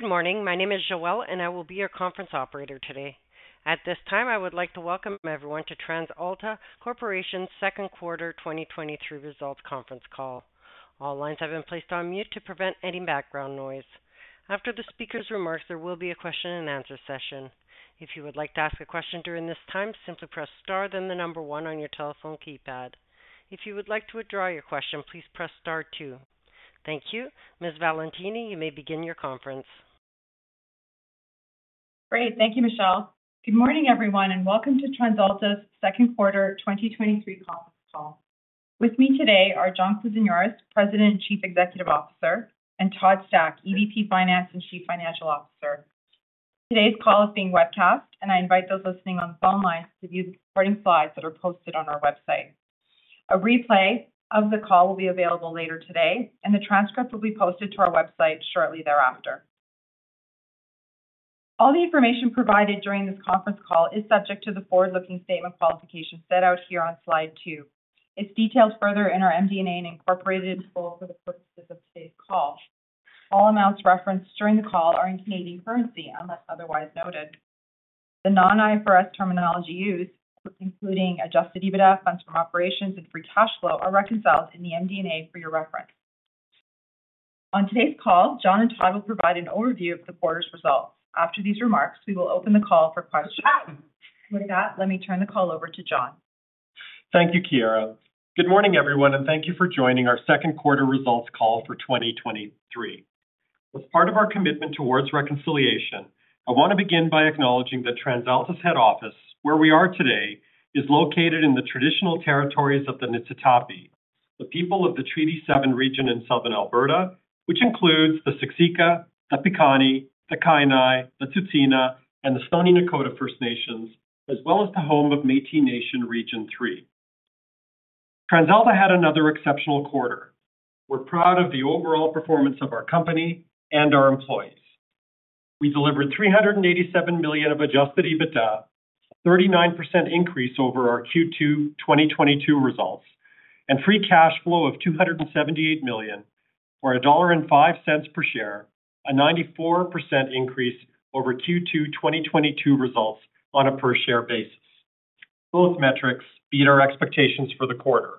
Good morning. My name is Joelle, I will be your conference operator today. At this time, I would like to welcome everyone to TransAlta Corporation's Second Quarter 2023 Results Conference Call. All lines have been placed on mute to prevent any background noise. After the speaker's remarks, there will be a question and answer session. If you would like to ask a question during this time, simply press star, the one on your telephone keypad. If you would like to withdraw your question, please press star two. Thank you. Ms. Valentini, you may begin your conference. Great. Thank you, Michelle. Good morning, everyone, and welcome to TransAlta's Second Quarter 2023 Conference Call. With me today are John Kousinioris, President and Chief Executive Officer, and Todd Stack, EVP, Finance and Chief Financial Officer. Today's call is being webcast, and I invite those listening on phone lines to view the supporting slides that are posted on our website. A replay of the call will be available later today, and the transcript will be posted to our website shortly thereafter. All the information provided during this conference call is subject to the forward-looking statement qualifications set out here on slide two. It's detailed further in our MD&A and incorporated in full for the purposes of today's call. All amounts referenced during the call are in Canadian currency, unless otherwise noted. The non-IFRS terminology used, including adjusted EBITDA, funds from operations, and free cash flow, are reconciled in the MD&A for your reference. On today's call, John and Todd will provide an overview of the quarter's results. After these remarks, we will open the call for questions. With that, let me turn the call over to John. Thank you, Chiara. Good morning, everyone. Thank you for joining our second quarter results call for 2023. As part of our commitment towards reconciliation, I want to begin by acknowledging that TransAlta's head office, where we are today, is located in the traditional territories of the Niitsitapi, the people of the Treaty Seven region in Southern Alberta, which includes the Siksika, the Piikani, the Kainai, the Tsuut'ina, and the Stoney Nakoda First Nations, as well as the home of Métis Nation Region 3. TransAlta had another exceptional quarter. We're proud of the overall performance of our company and our employees. We delivered 387 million of adjusted EBITDA, 39% increase over our Q2 2022 results, and free cash flow of 278 million, or 1.05 dollar per share, a 94% increase over Q2 2022 results on a per-share basis. Both metrics beat our expectations for the quarter.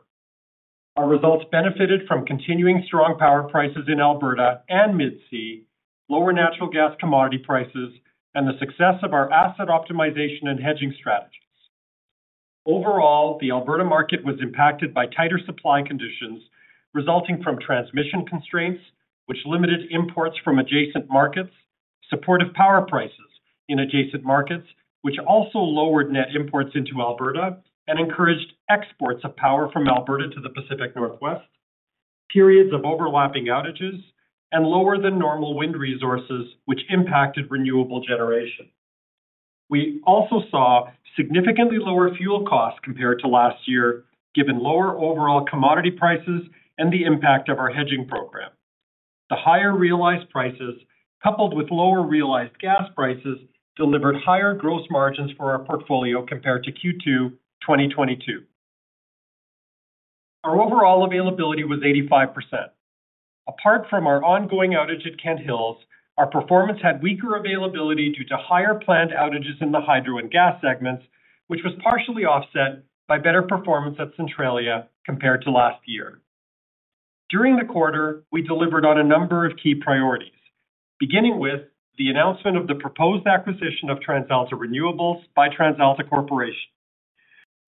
Our results benefited from continuing strong power prices in Alberta and Mid-C, lower natural gas commodity prices, and the success of our asset optimization and hedging strategies. Overall, the Alberta market was impacted by tighter supply conditions resulting from transmission constraints, which limited imports from adjacent markets, supportive power prices in adjacent markets, which also lowered net imports into Alberta and encouraged exports of power from Alberta to the Pacific Northwest, periods of overlapping outages, and lower than normal wind resources, which impacted renewable generation. We also saw significantly lower fuel costs compared to last year, given lower overall commodity prices and the impact of our hedging program. The higher realized prices, coupled with lower realized gas prices, delivered higher gross margins for our portfolio compared to Q2 2022. Our overall availability was 85%. Apart from our ongoing outage at Kent Hills, our performance had weaker availability due to higher planned outages in the Hydro and Gas segments, which was partially offset by better performance at Centralia compared to last year. During the quarter, we delivered on a number of key priorities, beginning with the announcement of the proposed acquisition of TransAlta Renewables by TransAlta Corporation.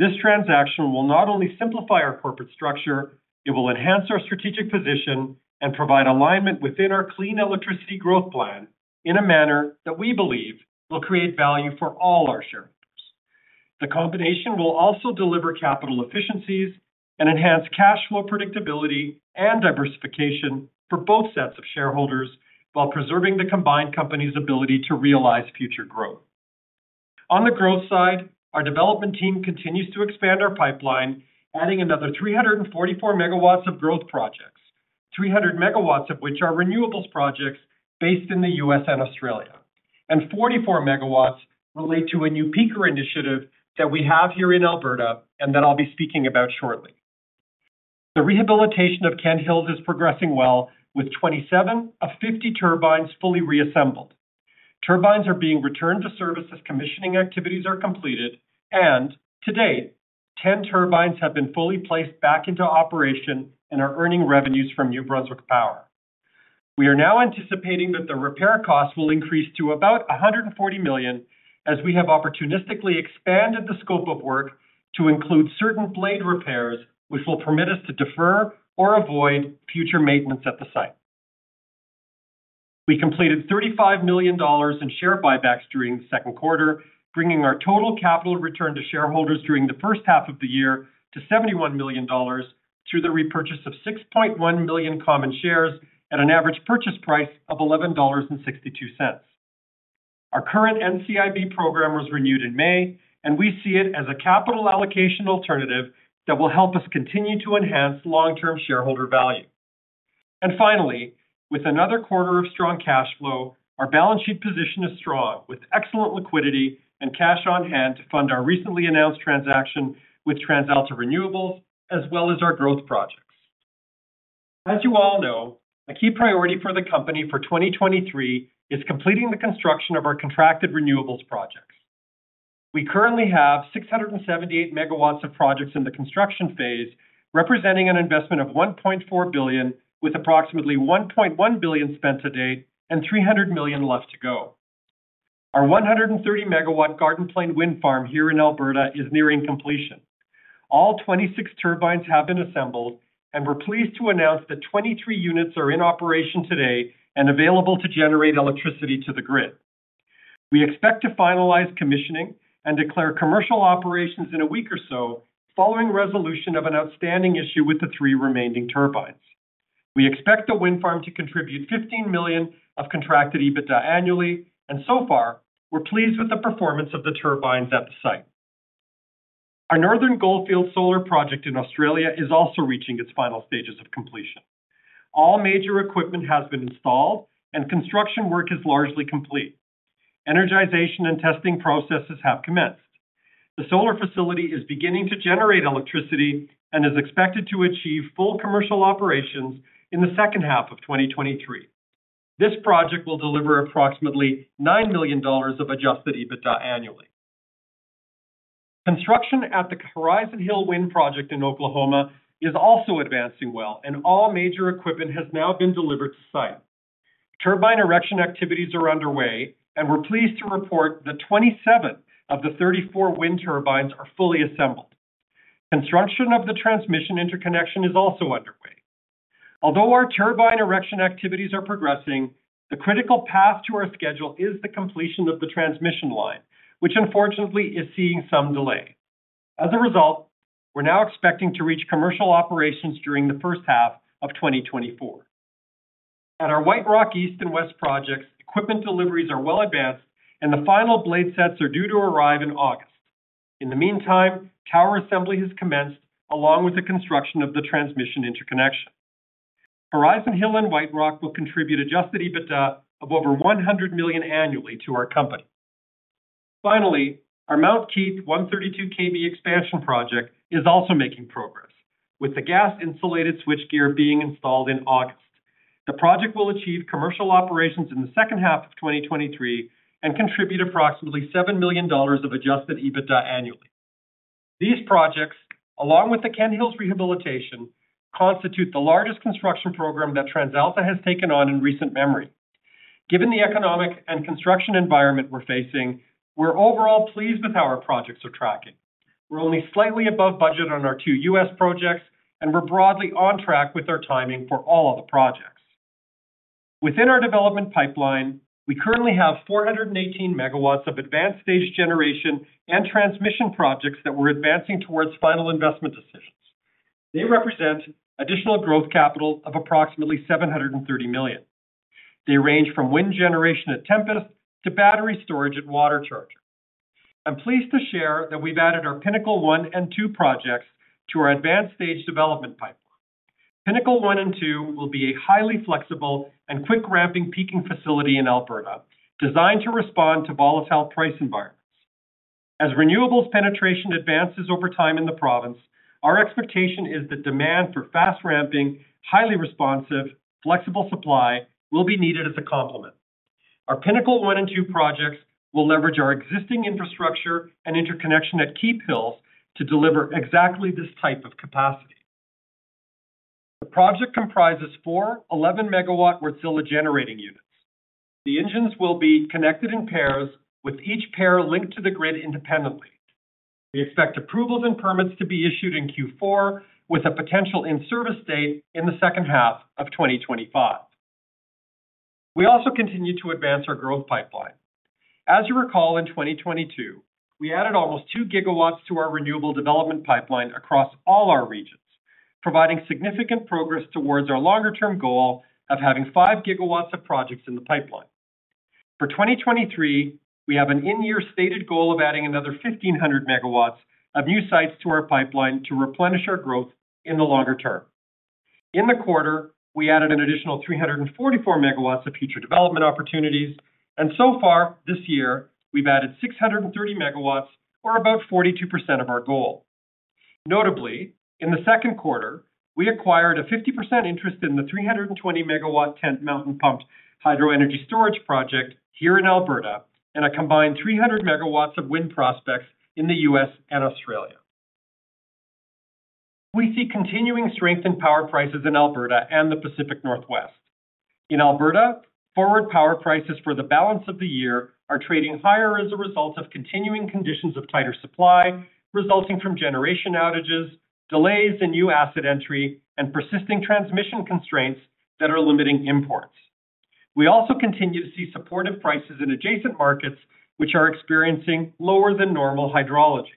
This transaction will not only simplify our corporate structure, it will enhance our strategic position and provide alignment within our Clean Electricity Growth Plan in a manner that we believe will create value for all our shareholders. The combination will also deliver capital efficiencies and enhance cash flow predictability and diversification for both sets of shareholders, while preserving the combined company's ability to realize future growth. On the growth side, our development team continues to expand our pipeline, adding another 344 MW of growth projects, 300 MW of which are renewables projects based in the U.S and Australia, and 44 MW relate to a new peaker initiative that we have here in Alberta and that I'll be speaking about shortly. The rehabilitation of Kent Hills is progressing well, with 27 of 50 turbines fully reassembled. Turbines are being returned to service as commissioning activities are completed, and to date, 10 turbines have been fully placed back into operation and are earning revenues from New Brunswick Power. We are now anticipating that the repair costs will increase to about 140 million, as we have opportunistically expanded the scope of work to include certain blade repairs, which will permit us to defer or avoid future maintenance at the site. We completed 35 million dollars in share buybacks during the second quarter, bringing our total capital return to shareholders during the first half of the year to 71 million dollars, through the repurchase of 6.1 million common shares at an average purchase price of 11.62 dollars. Our current NCIB program was renewed in May. We see it as a capital allocation alternative that will help us continue to enhance long-term shareholder value. Finally, with another quarter of strong cash flow, our balance sheet position is strong, with excellent liquidity and cash on hand to fund our recently announced transaction with TransAlta Renewables, as well as our growth projects. As you all know, a key priority for the company for 2023 is completing the construction of our contracted renewables projects. We currently have 678 MW of projects in the construction phase, representing an investment of 1.4 billion, with approximately 1.1 billion spent to date and 300 million left to go. Our 130 MW Garden Plain Wind Farm here in Alberta is nearing completion. All 26 turbines have been assembled, and we're pleased to announce that 23 units are in operation today and available to generate electricity to the grid. We expect to finalize commissioning and declare commercial operations in a week or so, following resolution of an outstanding issue with the three remaining turbines. We expect the wind farm to contribute 15 million of contracted EBITDA annually, and so far, we're pleased with the performance of the turbines at the site. Our Northern Goldfields Solar Project in Australia is also reaching its final stages of completion. All major equipment has been installed, and construction work is largely complete. Energization and testing processes have commenced. The solar facility is beginning to generate electricity and is expected to achieve full commercial operations in the second half of 2023. This project will deliver approximately 9 million dollars of adjusted EBITDA annually. Construction at the Horizon Hill Wind Project in Oklahoma is also advancing well, and all major equipment has now been delivered to site. Turbine erection activities are underway, and we're pleased to report that 27 of the 34 wind turbines are fully assembled. Construction of the transmission interconnection is also underway. Although our turbine erection activities are progressing, the critical path to our schedule is the completion of the transmission line, which, unfortunately, is seeing some delay. As a result, we're now expecting to reach commercial operations during the first half of 2024. At our White Rock East and West projects, equipment deliveries are well advanced, and the final blade sets are due to arrive in August. In the meantime, tower assembly has commenced, along with the construction of the transmission interconnection. Horizon Hill and White Rock will contribute adjusted EBITDA of over 100 million annually to our company. Finally, our Mount Keith 132 KV expansion project is also making progress, with the gas-insulated switchgear being installed in August. The project will achieve commercial operations in the second half of 2023 and contribute approximately 7 million dollars of adjusted EBITDA annually. These projects, along with the Kent Hills rehabilitation, constitute the largest construction program that TransAlta has taken on in recent memory. Given the economic and construction environment we're facing, we're overall pleased with how our projects are tracking. We're only slightly above budget on our two U.S. projects, and we're broadly on track with our timing for all of the projects. Within our development pipeline, we currently have 418 MW of advanced-stage generation and transmission projects that we're advancing towards final investment decisions. They represent additional growth capital of approximately 730 million. They range from wind generation at Tempest to battery storage at WaterCharger. I'm pleased to share that we've added our Pinnacle 1 and 2 projects to our advanced stage development pipeline. Pinnacle 1 and 2 will be a highly flexible and quick-ramping peaking facility in Alberta, designed to respond to volatile price environments. As renewables penetration advances over time in the province, our expectation is that demand for fast-ramping, highly responsive, flexible supply will be needed as a complement. Our Pinnacle 1 and 2 projects will leverage our existing infrastructure and interconnection at Kent Hills to deliver exactly this type of capacity. The project comprises four 11 MW Wärtsilä generating units. The engines will be connected in pairs, with each pair linked to the grid independently. We expect approvals and permits to be issued in Q4, with a potential in-service date in the second half of 2025. We also continue to advance our growth pipeline. As you recall, in 2022, we added almost 2 GW to our renewable development pipeline across all our regions, providing significant progress towards our longer-term goal of having 5 GW of projects in the pipeline. 2023, we have an in-year stated goal of adding another 1,500 MW of new sites to our pipeline to replenish our growth in the longer term. In the quarter, we added an additional 344 MW of future development opportunities. So far this year, we've added 630 MW, or about 42% of our goal. Notably, in the second quarter, we acquired a 50% interest in the 320 MW Tent Mountain Pumped Hydro Energy Storage Project here in Alberta, and a combined 300 MW of wind prospects in the U.S. and Australia. We see continuing strength in power prices in Alberta and the Pacific Northwest. In Alberta, forward power prices for the balance of the year are trading higher as a result of continuing conditions of tighter supply, resulting from generation outages, delays in new asset entry, and persisting transmission constraints that are limiting imports. We also continue to see supportive prices in adjacent markets, which are experiencing lower than normal hydrology.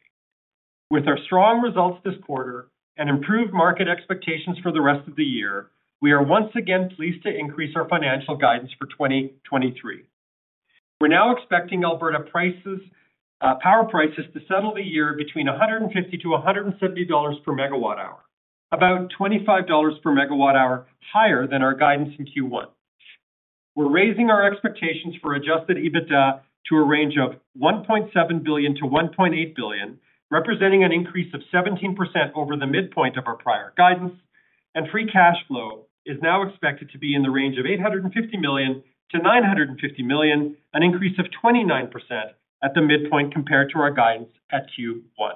With our strong results this quarter and improved market expectations for the rest of the year, we are once again pleased to increase our financial guidance for 2023. We're now expecting Alberta prices, power prices, to settle the year between 150-170 dollars per megawatt hour, about 25 dollars per megawatt hour higher than our guidance in Q1. We're raising our expectations for adjusted EBITDA to a range of 1.7 billion-1.8 billion, representing an increase of 17% over the midpoint of our prior guidance. Free cash flow is now expected to be in the range of 850 million-950 million, an increase of 29% at the midpoint compared to our guidance at Q1.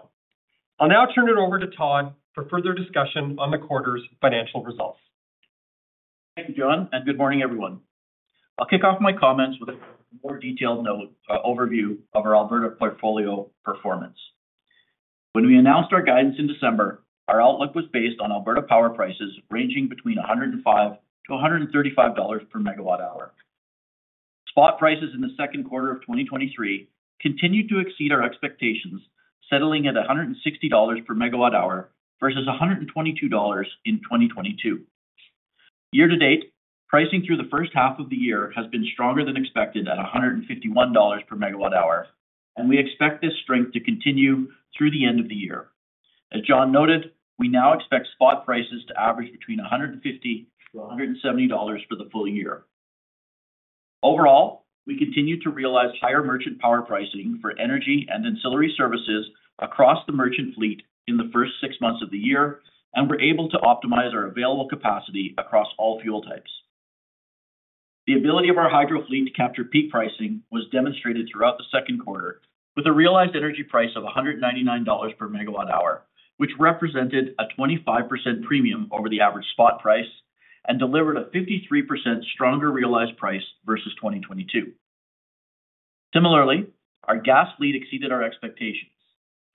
I'll now turn it over to Todd for further discussion on the quarter's financial results. Thank you, John. Good morning, everyone. I'll kick off my comments with a more detailed note, overview of our Alberta portfolio performance. When we announced our guidance in December, our outlook was based on Alberta power prices ranging between 105-135 dollars per megawatt hour. Spot prices in Q2 2023 continued to exceed our expectations, settling at 160 dollars per megawatt hour versus 122 dollars in 2022. Year-to-date, pricing through the first half of the year has been stronger than expected at 151 dollars per megawatt hour. We expect this strength to continue through the end of the year. As John noted, we now expect spot prices to average between 150-170 dollars for the full year. Overall, we continue to realize higher merchant power pricing for energy and ancillary services across the merchant fleet in the first six months of the year, and we're able to optimize our available capacity across all fuel types. The ability of our Hydro fleet to capture peak pricing was demonstrated throughout the second quarter with a realized energy price of 199 dollars per megawatt hour, which represented a 25% premium over the average spot price and delivered a 53% stronger realized price versus 2022. Similarly, our Gas fleet exceeded our expectations,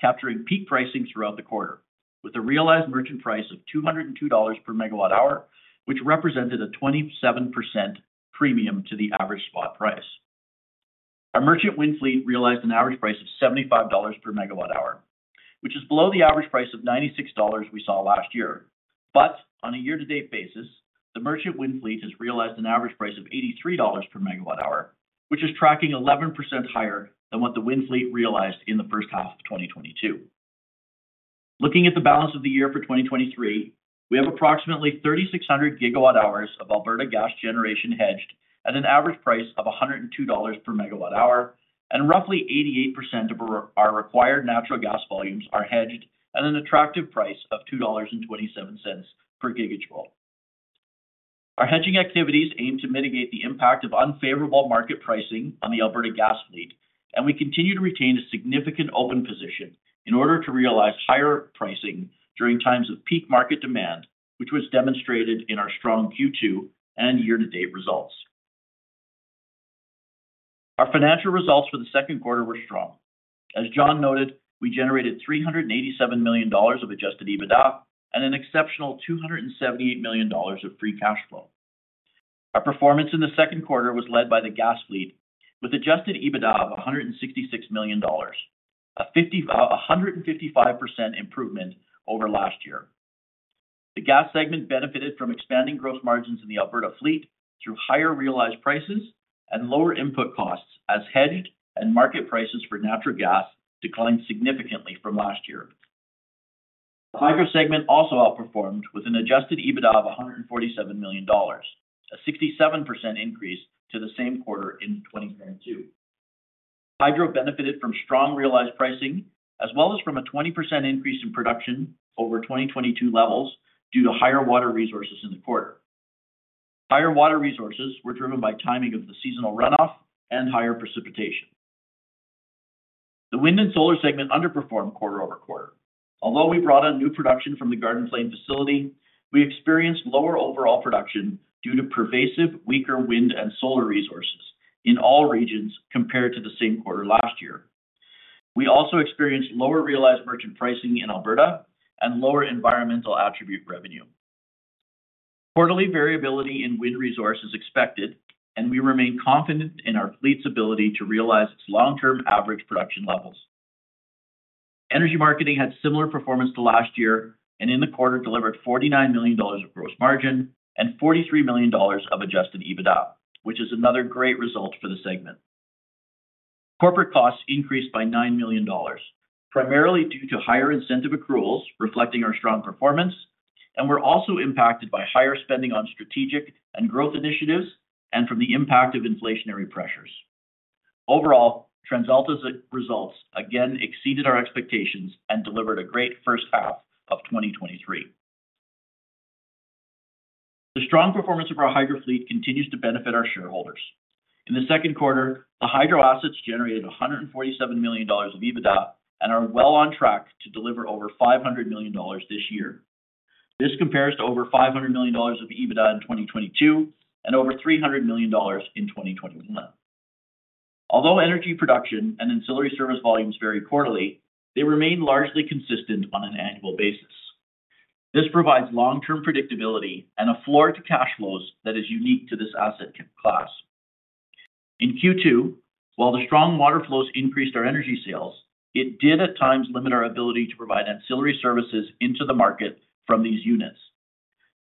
capturing peak pricing throughout the quarter with a realized merchant price of 202 dollars per megawatt hour, which represented a 27% premium to the average spot price. Our merchant Wind fleet realized an average price of 75 dollars per megawatt hour, which is below the average price of 96 dollars we saw last year. On a year-to-date basis, the merchant Wind fleet has realized an average price of 83 dollars per megawatt hour, which is tracking 11% higher than what the Wind fleet realized in the first half of 2022. Looking at the balance of the year for 2023, we have approximately 3,600 GWh of Alberta gas generation hedged at an average price of 102 dollars per megawatt hour, and roughly 88% of our required natural gas volumes are hedged at an attractive price of 2.27 dollars per gigajoule. We continue to retain a significant open position in order to realize higher pricing during times of peak market demand, which was demonstrated in our strong Q2 and year-to-date results. Our financial results for the second quarter were strong. As John noted, we generated 387 million dollars of adjusted EBITDA and an exceptional CA 278 million of free cash flow. Our performance in the second quarter was led by the Gas fleet, with adjusted EBITDA of 166 million dollars, a 155% improvement over last year. The Gas segment benefited from expanding gross margins in the Alberta fleet through higher realized prices and lower input costs, as hedged and market prices for natural gas declined significantly from last year. The Hydro segment also outperformed with an adjusted EBITDA of 147 million dollars, a 67% increase to the same quarter in 2022. Hydro benefited from strong realized pricing, as well as from a 20% increase in production over 2022 levels due to higher water resources in the quarter. Higher water resources were driven by timing of the seasonal runoff and higher precipitation. The Wind and Solar segment underperformed quarter-over-quarter. Although we brought on new production from the Garden Plain facility, we experienced lower overall production due to pervasive, weaker Wind and Solar resources in all regions compared to the same quarter last year. We also experienced lower realized merchant pricing in Alberta and lower environmental attribute revenue. Quarterly variability in Wind resource is expected, and we remain confident in our fleet's ability to realize its long-term average production levels. Energy Marketing had similar performance to last year, and in the quarter delivered 49 million dollars of gross margin and 43 million dollars of adjusted EBITDA, which is another great result for the segment. Corporate costs increased by 9 million dollars, primarily due to higher incentive accruals reflecting our strong performance, and were also impacted by higher spending on strategic and growth initiatives and from the impact of inflationary pressures. Overall, TransAlta's results again exceeded our expectations and delivered a great first half of 2023. The strong performance of our Hydro fleet continues to benefit our shareholders. In the second quarter, the Hydro assets generated 147 million dollars of EBITDA and are well on track to deliver over 500 million dollars this year. This compares to over 500 million dollars of EBITDA in 2022 and over 300 million dollars in 2021. Although energy production and ancillary service volumes vary quarterly, they remain largely consistent on an annual basis. This provides long-term predictability and a floor to cash flows that is unique to this asset class. In Q2, while the strong water flows increased our energy sales, it did at times limit our ability to provide ancillary services into the market from these units.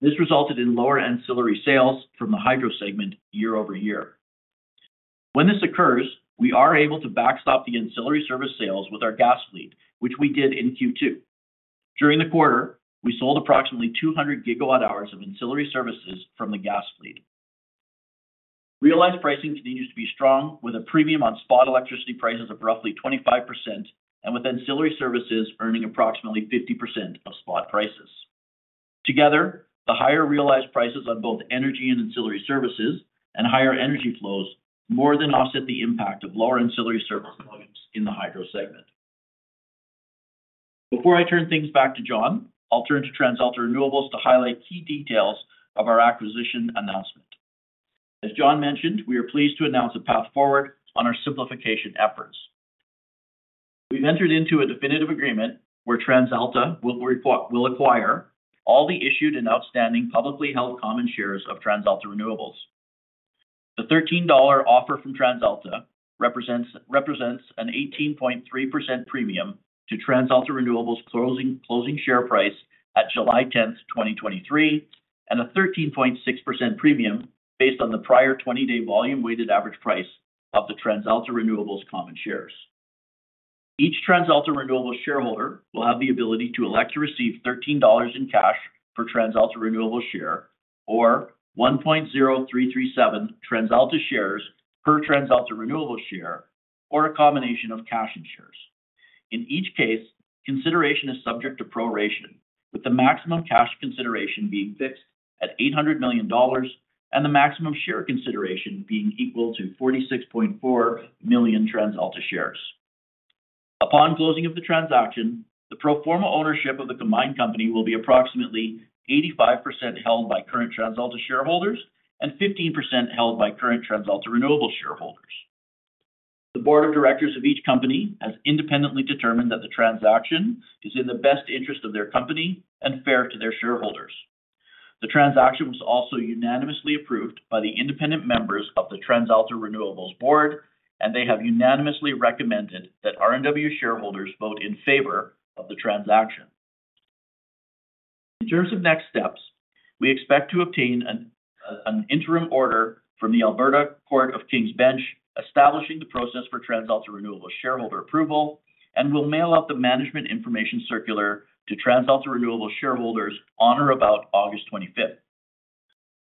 This resulted in lower ancillary sales from the Hydro segment year-over-year. When this occurs, we are able to backstop the ancillary service sales with our Gas fleet, which we did in Q2. During the quarter, we sold approximately 200 GWh of ancillary services from the Gas fleet. Realized pricing continues to be strong, with a premium on spot electricity prices of roughly 25%, and with ancillary services earning approximately 50% of spot prices. Together, the higher realized prices on both energy and ancillary services and higher energy flows more than offset the impact of lower ancillary service volumes in the Hydro segment. Before I turn things back to John, I'll turn to TransAlta Renewables to highlight key details of our acquisition announcement. As John mentioned, we are pleased to announce a path forward on our simplification efforts. We've entered into a definitive agreement where TransAlta will acquire all the issued and outstanding publicly held common shares of TransAlta Renewables. The 13 dollar offer from TransAlta represents an 18.3% premium to TransAlta Renewables closing share price at July 10th, 2023, and a 13.6% premium based on the prior 20-day volume weighted average price of the TransAlta Renewables common shares. Each TransAlta Renewables shareholder will have the ability to elect to receive 13 dollars in cash for TransAlta Renewables share or 1.0337 TransAlta shares per TransAlta Renewables share, or a combination of cash and shares. In each case, consideration is subject to proration, with the maximum cash consideration being fixed at 800 million dollars, and the maximum share consideration being equal to 46.4 million TransAlta shares. Upon closing of the transaction, the pro forma ownership of the combined company will be approximately 85% held by current TransAlta shareholders and 15% held by current TransAlta Renewables shareholders. The board of directors of each company has independently determined that the transaction is in the best interest of their company and fair to their shareholders. The transaction was also unanimously approved by the independent members of the TransAlta Renewables board. They have unanimously recommended that RNW shareholders vote in favor of the transaction. In terms of next steps, we expect to obtain an interim order from the Alberta Court of King's Bench, establishing the process for TransAlta Renewables shareholder approval, and will mail out the management information circular to TransAlta Renewables shareholders on or about August 25th.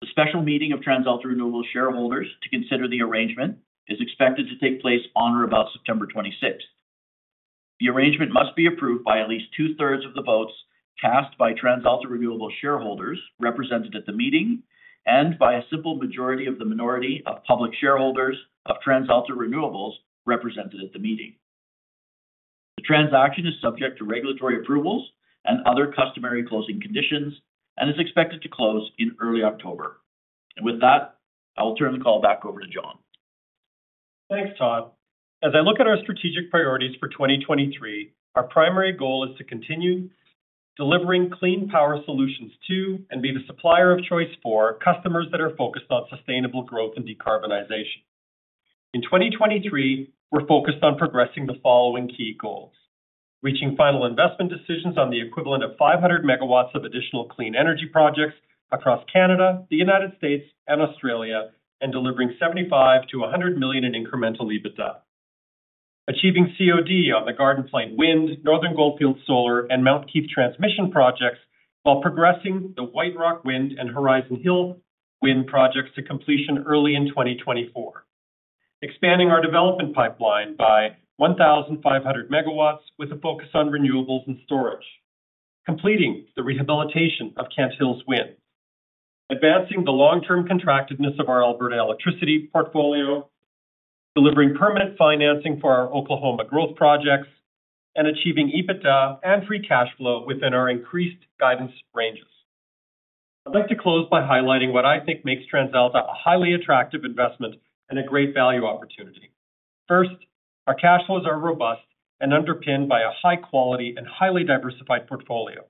The special meeting of TransAlta Renewables shareholders to consider the arrangement is expected to take place on or about September 26th. The arrangement must be approved by at least 2/3 of the votes cast by TransAlta Renewables shareholders represented at the meeting, and by a simple majority of the minority of public shareholders of TransAlta Renewables represented at the meeting. The transaction is subject to regulatory approvals and other customary closing conditions and is expected to close in early October. With that, I will turn the call back over to John. Thanks, Todd. As I look at our strategic priorities for 2023, our primary goal is to continue delivering clean power solutions to, and be the supplier of choice for, customers that are focused on sustainable growth and decarbonization. In 2023, we're focused on progressing the following key goals: reaching final investment decisions on the equivalent of 500 MW of additional clean energy projects across Canada, the United States, and Australia, delivering 75 million-100 million in incremental EBITDA. Achieving COD on the Garden Plain Wind, Northern Goldfields Solar, and Mount Keith transmission projects, while progressing the White Rock Wind and Horizon Hill wind projects to completion early in 2024. Expanding our development pipeline by 1,500 MW, with a focus on renewables and storage. Completing the rehabilitation of Kent Hills Wind. Advancing the long-term contractiveness of our Alberta electricity portfolio. Delivering permanent financing for our Oklahoma growth projects, achieving EBITDA and free cash flow within our increased guidance ranges. I'd like to close by highlighting what I think makes TransAlta a highly attractive investment and a great value opportunity. First, our cash flows are robust and underpinned by a high quality and highly diversified portfolio.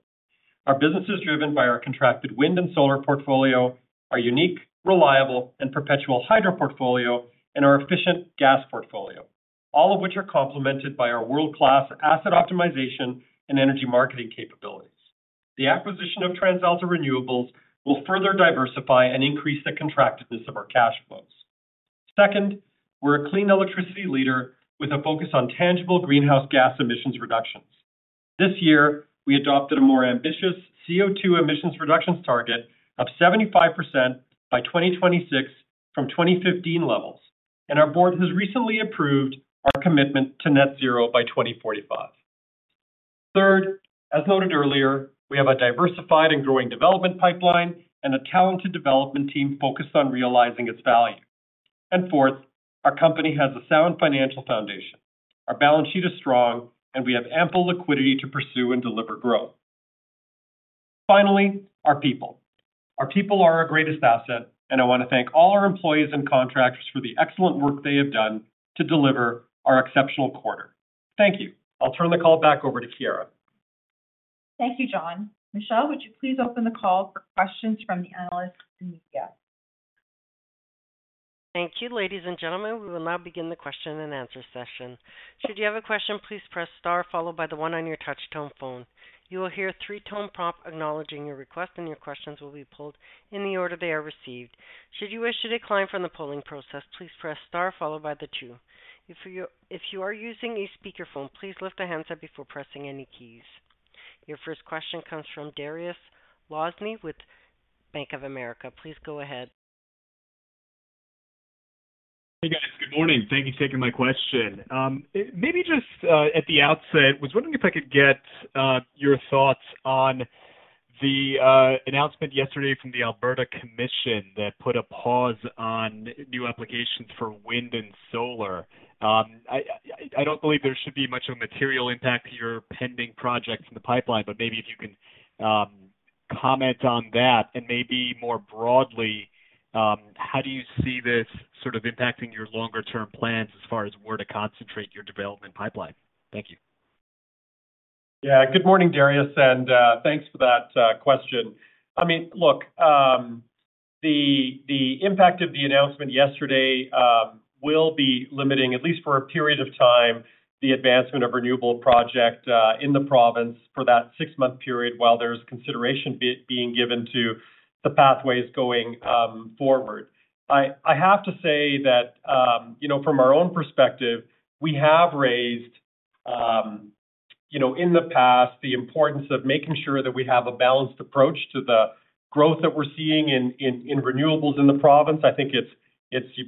Our business is driven by our contracted Wind and Solar portfolio, our unique, reliable, and perpetual Hydro portfolio, and our efficient Gas portfolio, all of which are complemented by our world-class asset optimization and Energy Marketing capabilities. The acquisition of TransAlta Renewables will further diversify and increase the contractiveness of our cash flows. Second, we're a clean electricity leader with a focus on tangible greenhouse gas emissions reductions. This year, we adopted a more ambitious CO2 emissions reductions target of 75% by 2026 from 2015 levels. Our board has recently approved our commitment to net zero by 2045. Third, as noted earlier, we have a diversified and growing development pipeline and a talented development team focused on realizing its value. Fourth, our company has a sound financial foundation. Our balance sheet is strong, and we have ample liquidity to pursue and deliver growth. Finally, our people. Our people are our greatest asset, and I want to thank all our employees and contractors for the excellent work they have done to deliver our exceptional quarter. Thank you. I'll turn the call back over to Chiara. Thank you, John. Michelle, would you please open the call for questions from the analysts and media? Thank you. Ladies and gentlemen, we will now begin the question-and-answer session. Should you have a question, please press star followed by the one on your touch-tone phone. You will hear a three-tone prompt acknowledging your request, and your questions will be pulled in the order they are received. Should you wish to decline from the polling process, please press star followed by the two. If you are using a speakerphone, please lift the handset before pressing any keys. Your first question comes from Dariusz Lozny with Bank of America. Please go ahead. Hey, guys. Good morning. Thank you for taking my question. Maybe just at the outset, I was wondering if I could get your thoughts on the announcement yesterday from the Alberta Commission that put a pause on new applications for Wind and Solar. I, I, I don't believe there should be much of a material impact to your pending projects in the pipeline, but maybe if you can comment on that, and maybe more broadly, how do you see this sort of impacting your longer-term plans as far as where to concentrate your development pipeline? Thank you. Yeah. Good morning, Dariusz, thanks for that question. I mean, look, the impact of the announcement yesterday will be limiting, at least for a period of time, the advancement of renewable project in the province for that 6-month period, while there's consideration being given to the pathways going forward. I, I have to say that, you know, from our own perspective, we have raised, you know, in the past, the importance of making sure that we have a balanced approach to the growth that we're seeing in, in, in renewables in the province. I think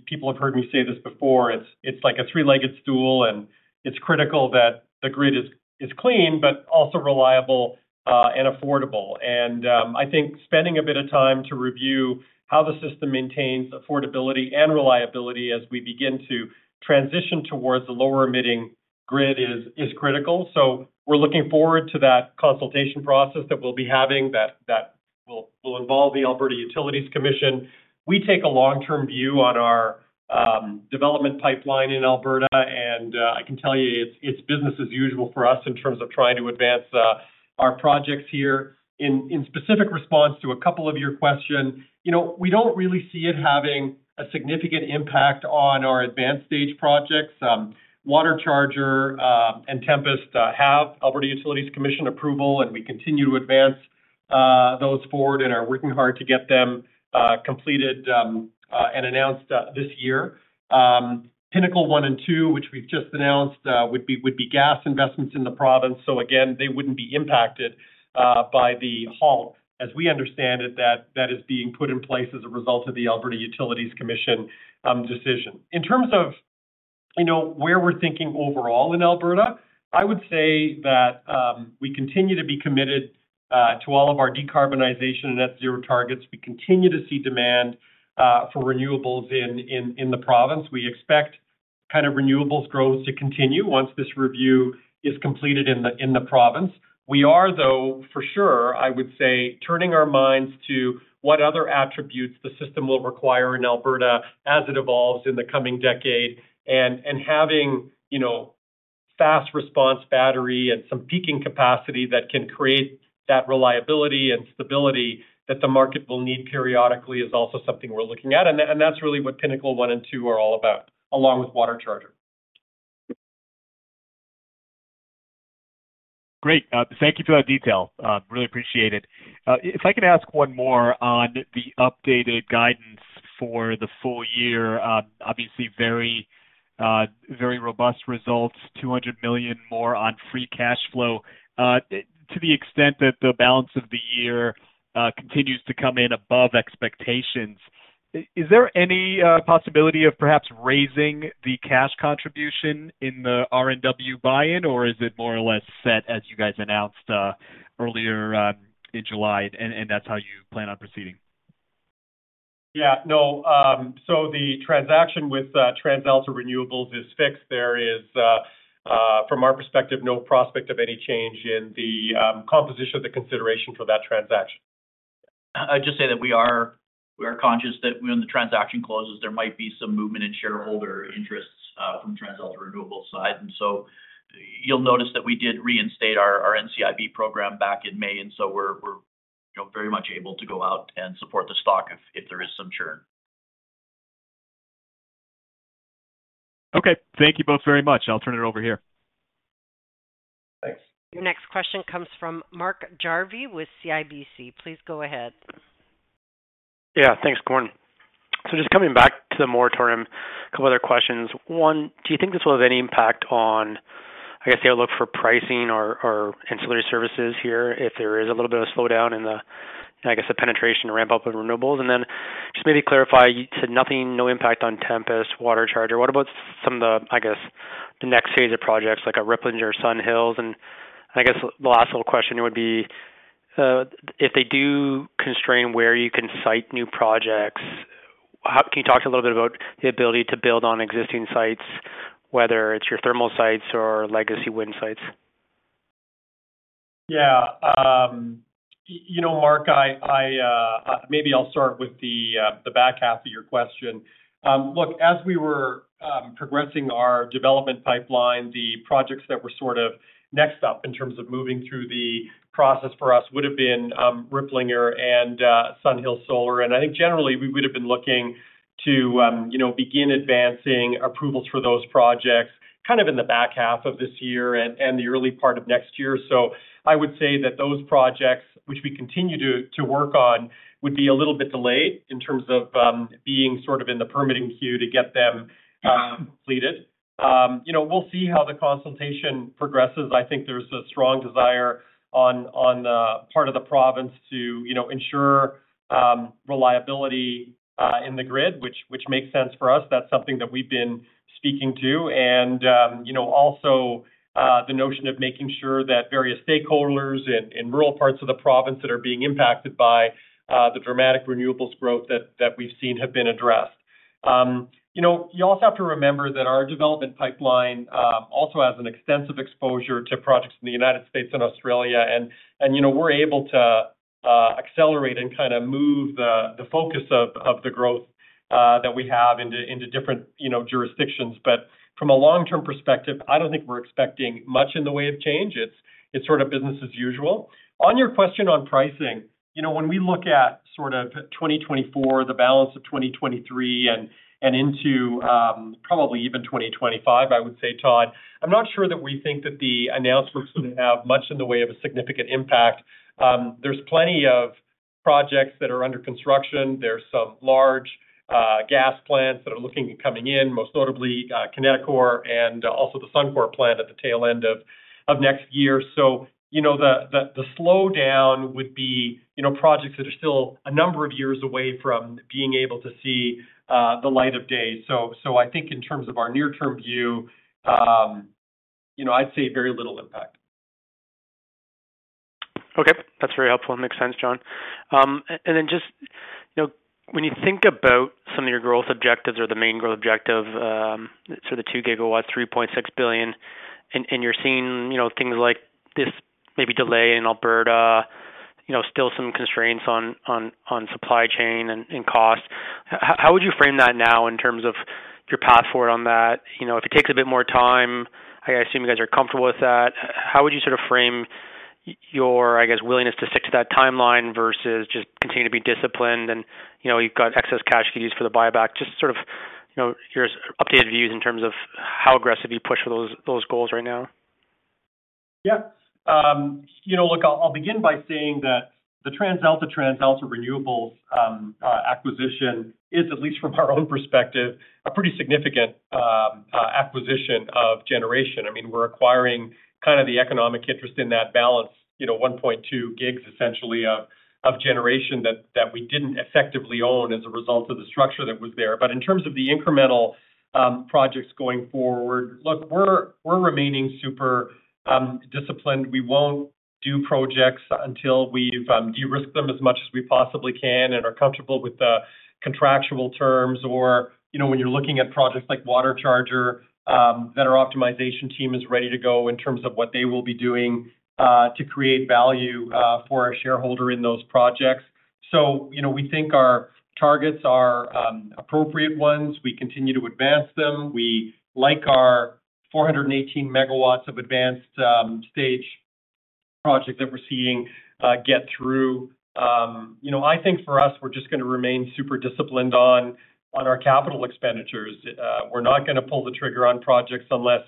People have heard me say this before, it's like a three-legged stool, and it's critical that the grid is clean, but also reliable and affordable. I think spending a bit of time to review how the system maintains affordability and reliability as we begin to transition towards the lower-emitting grid is, is critical. We're looking forward to that consultation process that we'll be having, that, that will, will involve the Alberta Utilities Commission. We take a long-term view on our development pipeline in Alberta, and I can tell you, it's, it's business as usual for us in terms of trying to advance our projects here. In, in specific response to a couple of your question, you know, we don't really see it having a significant impact on our advanced stage projects. WaterCharger, and Tempest have Alberta Utilities Commission approval, and we continue to advance those forward and are working hard to get them completed, and announced this year. Pinnacle 1 and 2, which we've just announced, would be gas investments in the province, again, they wouldn't be impacted by the halt. As we understand it, that is being put in place as a result of the Alberta Utilities Commission decision. In terms of, you know, where we're thinking overall in Alberta, I would say that we continue to be committed to all of our decarbonization and net zero targets. We continue to see demand for renewables in the province. We expect kind of renewables growth to continue once this review is completed in the province. We are, though, for sure, I would say, turning our minds to what other attributes the system will require in Alberta as it evolves in the coming decade. Having, you know, fast-response battery and some peaking capacity that can create that reliability and stability that the market will need periodically is also something we're looking at, and that, and that's really what Pinnacle 1 and 2 are all about, along with WaterCharger. Great. Thank you for that detail. Really appreciate it. If I could ask one more on the updated guidance for the full year. Obviously very, very robust results, 200 million more on free cash flow. To the extent that the balance of the year continues to come in above expectations, is there any possibility of perhaps raising the cash contribution in the RNW buy-in, or is it more or less set as you guys announced earlier in July, and that's how you plan on proceeding? Yeah. No, the transaction with TransAlta Renewables is fixed. There is from our perspective, no prospect of any change in the composition of the consideration for that transaction. I'd just say that we are, we are conscious that when the transaction closes, there might be some movement in shareholder interests from TransAlta Renewables' side. So you'll notice that we did reinstate our NCIB program back in May, and so we're, we're, you know, very much able to go out and support the stock if, if there is some churn. Okay. Thank you both very much. I'll turn it over here. Thanks. Your next question comes from Mark Jarvi with CIBC. Please go ahead. Yeah, thanks, Good morning. Just coming back to the moratorium, a couple other questions. One, do you think this will have any impact on, I guess, your look for pricing or, or ancillary services here, if there is a little bit of a slowdown in the, I guess, the penetration to ramp up in renewables? Then just maybe clarify, you said nothing, no impact on Tempest, WaterCharger. What about some of the, I guess, the next phase of projects like a Riplinger or SunHills? I guess the last little question would be, if they do constrain where you can site new projects, how can you talk a little bit about the ability to build on existing sites, whether it's your thermal sites or legacy wind sites? Yeah. You know, Mark, I, I, maybe I'll start with the back half of your question. Look, as we were progressing our development pipeline, the projects that were sort of next up in terms of moving through the process for us would have been Riplinger and SunHills Solar. I think generally we would have been looking to, you know, begin advancing approvals for those projects, kind of in the back half of this year and the early part of next year. I would say that those projects, which we continue to, to work on, would be a little bit delayed in terms of being sort of in the permitting queue to get them completed. You know, we'll see how the consultation progresses. I think there's a strong desire on, on the part of the province to, you know, ensure reliability in the grid, which, which makes sense for us. That's something that we've been speaking to. You know, also, the notion of making sure that various stakeholders in, in rural parts of the province that are being impacted by the dramatic renewables growth that, that we've seen, have been addressed. You know, you also have to remember that our development pipeline also has an extensive exposure to projects in the United States and Australia. And, you know, we're able to accelerate and kinda move the, the focus of the growth that we have into, into different, you know, jurisdictions. From a long-term perspective, I don't think we're expecting much in the way of change. It's sort of business as usual. On your question on pricing, you know, when we look at sort of 2024, the balance of 2023 and into, probably even 2025, I would say, Todd, I'm not sure that we think that the announcements are gonna have much in the way of a significant impact. There's plenty of projects that are under construction. There's some large gas plants that are looking at coming in, most notably, Kineticor and also the Suncor plant at the tail end of next year. You know, the slowdown would be, you know, projects that are still a number of years away from being able to see the light of day. I think in terms of our near-term view, you know, I'd say very little impact. Okay, that's very helpful. It makes sense, John. Then just, you know, when you think about some of your growth objectives or the main growth objective, so the 2 GW, 3.6 billion, and, and you're seeing, you know, things like this maybe delay in Alberta, you know, still some constraints on, on, on supply chain and, and cost. How would you frame that now in terms of your path forward on that? You know, if it takes a bit more time, I assume you guys are comfortable with that. How would you sort of frame your, I guess, willingness to stick to that timeline versus just continue to be disciplined and, you know, you've got excess cash to use for the buyback? Just sort of, you know, your updated views in terms of how aggressive you push for those, those goals right now. Yeah. You know, look, I'll, I'll begin by saying that the TransAlta, TransAlta Renewables acquisition is, at least from our own perspective, a pretty significant acquisition of generation. I mean, we're acquiring kinda the economic interest in that balance, you know, 1.2 GW, essentially, of, of generation that, that we didn't effectively own as a result of the structure that was there. In terms of the incremental projects going forward, look, we're, we're remaining super disciplined. We won't do projects until we've de-risked them as much as we possibly can and are comfortable with the contractual terms, or, you know, when you're looking at projects like WaterCharger, that our optimization team is ready to go in terms of what they will be doing to create value for our shareholder in those projects. you know, we think our targets are appropriate ones. We continue to advance them. We like our 418 MW of advanced stage project that we're seeing get through. you know, I think for us, we're just gonna remain super disciplined on our capital expenditures. We're not gonna pull the trigger on projects unless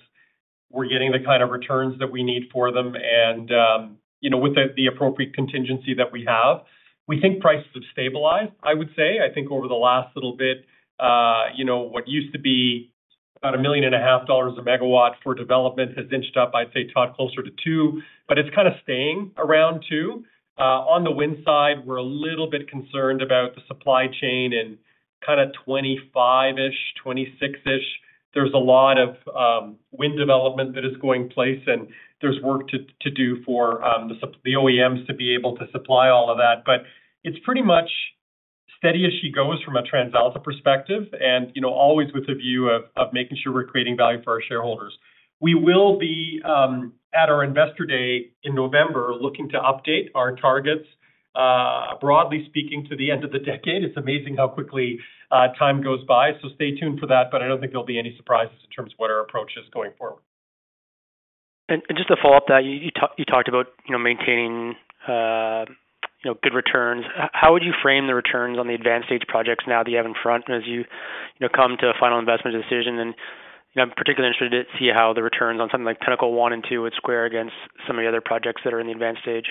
we're getting the kind of returns that we need for them, and, you know, with the appropriate contingency that we have. We think prices have stabilized, I would say. I think over the last little bit, you know, what used to be about 1.5 million a megawatt for development has inched up, I'd say, Todd, closer to 2 million, but it's kinda staying around 2 million. On the Wind side, we're a little bit concerned about the supply chain in kinda 25-ish, 26-ish. There's a lot of wind development that is going in place, and there's work to, to do for the OEMs to be able to supply all of that. It's pretty much steady as she goes from a TransAlta perspective, and, you know, always with a view of, of making sure we're creating value for our shareholders. We will be at our Investor Day in November, looking to update our targets, broadly speaking, to the end of the decade. It's amazing how quickly time goes by, stay tuned for that, I don't think there'll be any surprises in terms of what our approach is going forward. Just to follow up that, you talked about, you know, maintaining, you know, good returns. How would you frame the returns on the advanced stage projects now that you have in front as you, you know, come to a final investment decision? You know, I'm particularly interested to see how the returns on something like Pinnacle 1 and 2 would square against some of the other projects that are in the advanced stage.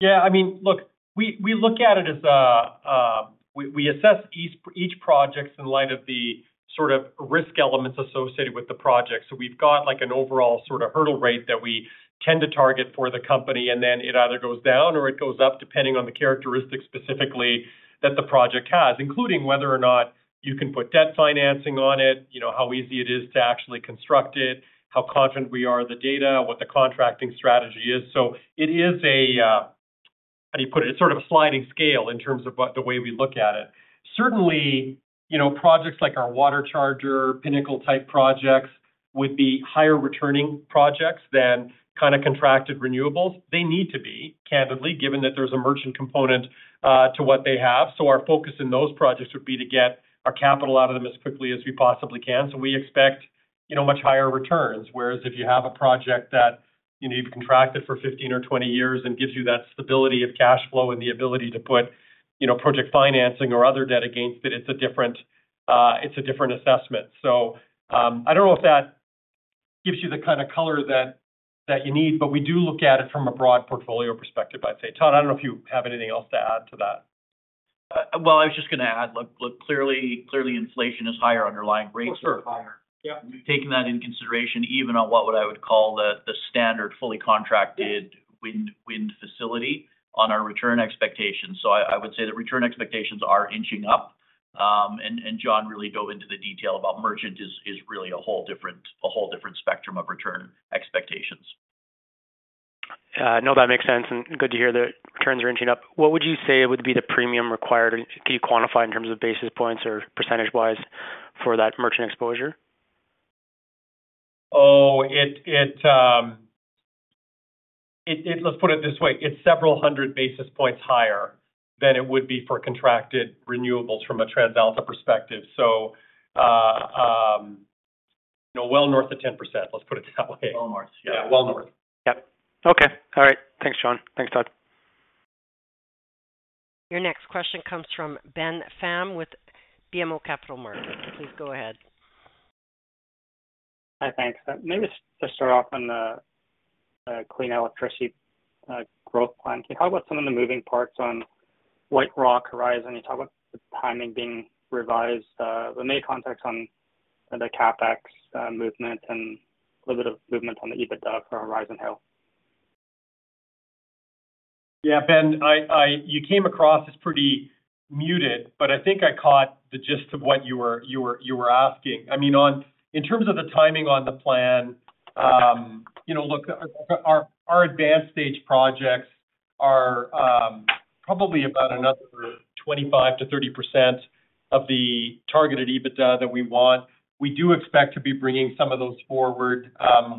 Yeah, I mean, look, we, we look at it as a... We, we assess each, each projects in light of the sort of risk elements associated with the project. We've got, like, an overall sort of hurdle rate that we tend to target for the company, and then it either goes down or it goes up, depending on the characteristics specifically that the project has, including whether or not you can put debt financing on it, you know, how easy it is to actually construct it, how confident we are in the data, what the contracting strategy is. It is a, how do you put it? It's sort of a sliding scale in terms of what- the way we look at it. Certainly, you know, projects like our WaterCharger, Pinnacle-type projects-... would be higher returning projects than kind of contracted renewables. They need to be, candidly, given that there's a merchant component to what they have. Our focus in those projects would be to get our capital out of them as quickly as we possibly can. We expect, you know, much higher returns, whereas if you have a project that you need to contract it for 15 or 20 years and gives you that stability of cash flow and the ability to put, you know, project financing or other debt against it, it's a different, it's a different assessment. I don't know if that gives you the kind of color that, that you need, but we do look at it from a broad portfolio perspective, I'd say. Todd, I don't know if you have anything else to add to that. Well, I was just going to add, look, look, clearly, clearly, inflation is higher, underlying rates are higher. Yeah. We've taken that into consideration, even on what would I would call the, the standard fully contracted- Yeah wind, wind facility on our return expectations. I, I would say the return expectations are inching up. John really dove into the detail about merchant is really a whole different, a whole different spectrum of return expectations. No, that makes sense, and good to hear the returns are inching up. What would you say would be the premium required? Can you quantify in terms of basis points or percentage-wise for that merchant exposure? Oh, let's put it this way, it's several hundred basis points higher than it would be for contracted renewables from a TransAlta perspective. So, you know, well north of 10%, let's put it that way. Well north, yeah. Yeah, well north. Yep. Okay. All right. Thanks, John. Thanks, Todd. Your next question comes from Ben Pham with BMO Capital Markets. Please go ahead. Hi, thanks. Maybe just to start off on the Clean Electricity Growth Plan. Can you talk about some of the moving parts on White Rock, Horizon? You talk about the timing being revised. Any context on the CapEx movement and a little bit of movement on the EBITDA for Horizon Hill? Yeah, Ben, you came across as pretty muted, but I think I caught the gist of what you were asking. I mean, in terms of the timing on the plan, you know, look, our, our advanced stage projects are probably about another 25%-30% of the targeted EBITDA that we want. We do expect to be bringing some of those forward.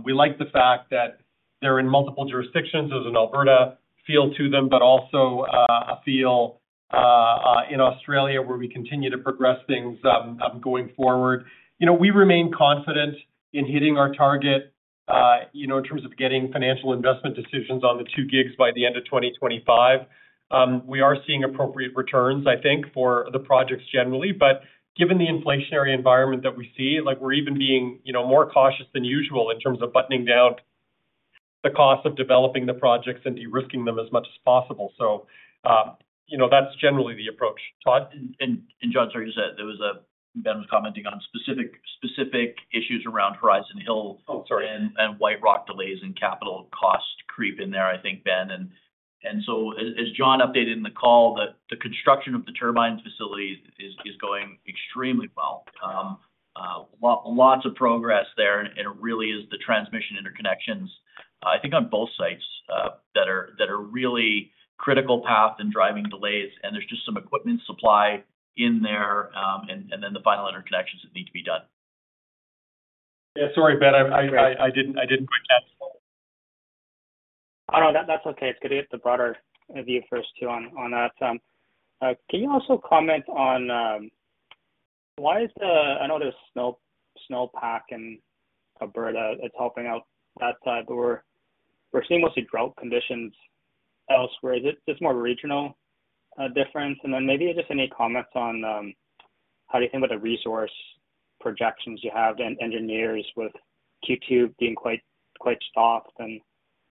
We like the fact that they're in multiple jurisdictions. There's an Alberta feel to them, but also a feel in Australia, where we continue to progress things going forward. You know, we remain confident in hitting our target, you know, in terms of getting financial investment decisions on the 2 GW by the end of 2025. We are seeing appropriate returns, I think, for the projects generally, but given the inflationary environment that we see, like, we're even being, you know, more cautious than usual in terms of buttoning down the cost of developing the projects and de-risking them as much as possible. You know, that's generally the approach. Todd? John, sorry, you said there was Ben was commenting on specific, specific issues around Horizon Hill. Oh, sorry.... and White Rock delays and capital cost creep in there, I think, Ben. So as John updated in the call, the construction of the turbines facility is going extremely well. Lots of progress there, and it really is the transmission interconnections, I think on both sites that are really critical path and driving delays, and there's just some equipment supply in there, and then the final interconnections that need to be done. Yeah, sorry, Ben, I didn't quite catch that. Oh, no, that-that's okay. It's good to get the broader view first, too, on, on that. Can you also comment on why is the... I know there's snow, snowpack in Alberta, it's helping out that side, but we're, we're seeing mostly drought conditions elsewhere. Is this more of a regional difference? Then maybe just any comments on how do you think about the resource projections you have and engineers with Q2 being quite, quite soft, and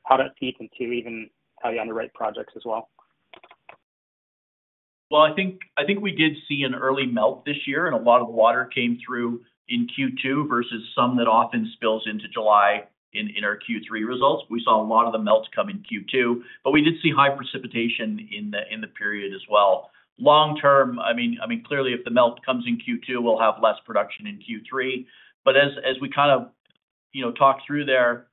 how does it feed into even how you underwrite projects as well? Well, I think, I think we did see an early melt this year. A lot of the water came through in Q2 versus some that often spills into July in our Q3 results. We saw a lot of the melt come in Q2. We did see high precipitation in the period as well. Long term, I mean, I mean, clearly, if the melt comes in Q2, we'll have less production in Q3. As we kind of, you know, talk through there,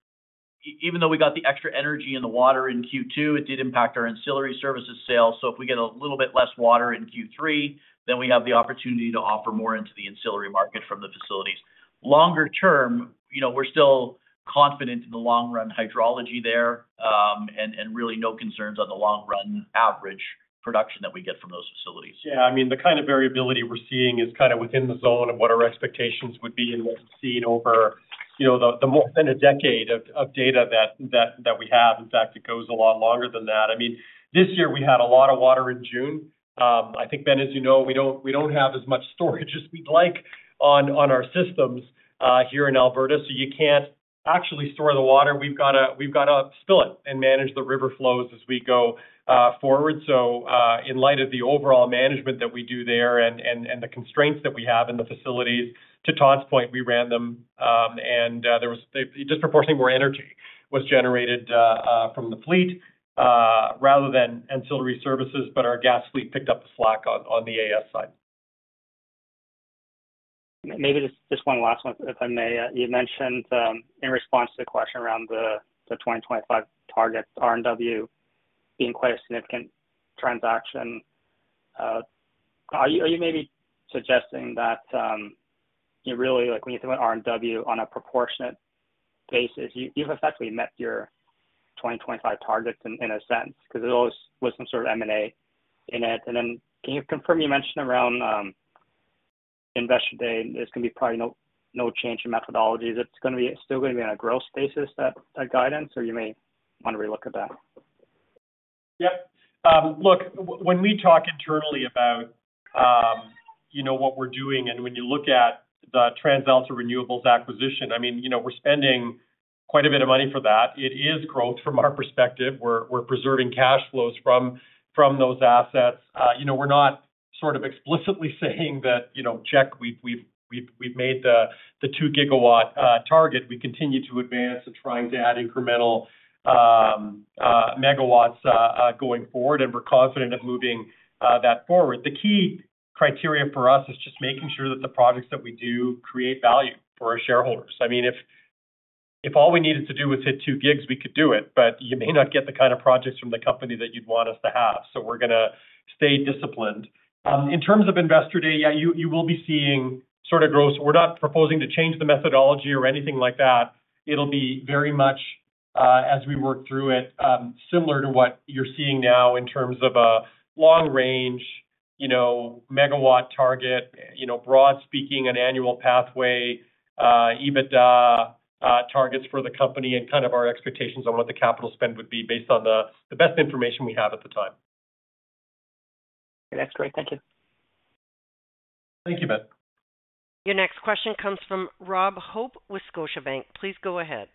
even though we got the extra energy in the water in Q2, it did impact our ancillary services sales. If we get a little bit less water in Q3, then we have the opportunity to offer more into the ancillary market from the facilities. Longer term, you know, we're still confident in the long run hydrology there, and really no concerns on the long-run average production that we get from those facilities. Yeah, I mean, the kind of variability we're seeing is kind of within the zone of what our expectations would be and what we've seen over, you know, the, the more than a decade of, of data that, that, that we have. In fact, it goes a lot longer than that. I mean, this year we had a lot of water in June. I think, Ben, as you know, we don't, we don't have as much storage as we'd like on, on our systems, here in Alberta, so you can't actually store the water. We've got to, we've got to spill it and manage the river flows as we go, forward. In light of the overall management that we do there and, and, and the constraints that we have in the facilities, to Todd's point, we ran them, and disproportionately more energy was generated from the fleet, rather than ancillary services, but our Gas fleet picked up the slack on the AS side. Maybe just, just one last one, if I may. You mentioned in response to the question around the 2025 targets, RNW being quite a significant transaction. Are you, are you maybe suggesting that you really, when you think about RNW on a proportionate basis, you, you've effectively met your 2025 targets in, in a sense, because there always was some sort of M&A in it. Can you confirm, you mentioned around Investor Day, there's going to be probably no, no change in methodologies. Still gonna be on a growth basis, that, that guidance, or you may want to relook at that? Yep. look, when we talk internally about, you know, what we're doing, and when you look at the TransAlta Renewables acquisition, I mean, you know, we're spending quite a bit of money for that. It is growth from our perspective. We're, we're preserving cash flows from, from those assets. You know, we're not sort of explicitly saying that, you know, "Check, we've, we've, we've, we've made the, the 2 GW target." We continue to advance and trying to add incremental megawatts going forward, and we're confident of moving that forward. The key criteria for us is just making sure that the projects that we do create value for our shareholders. I mean, if, if all we needed to do was hit 2 GW, we could do it, but you may not get the kind of projects from the company that you'd want us to have. We're gonna stay disciplined. In terms of Investor Day, yeah, you, you will be seeing sort of gross. We're not proposing to change the methodology or anything like that. It'll be very much as we work through it, similar to what you're seeing now in terms of a long range, you know, megawatt target, you know, broad speaking, an annual pathway, EBITDA targets for the company, and kind of our expectations on what the capital spend would be based on the, the best information we have at the time. That's great. Thank you. Thank you, Matt. Your next question comes from Rob Hope with Scotiabank. Please go ahead.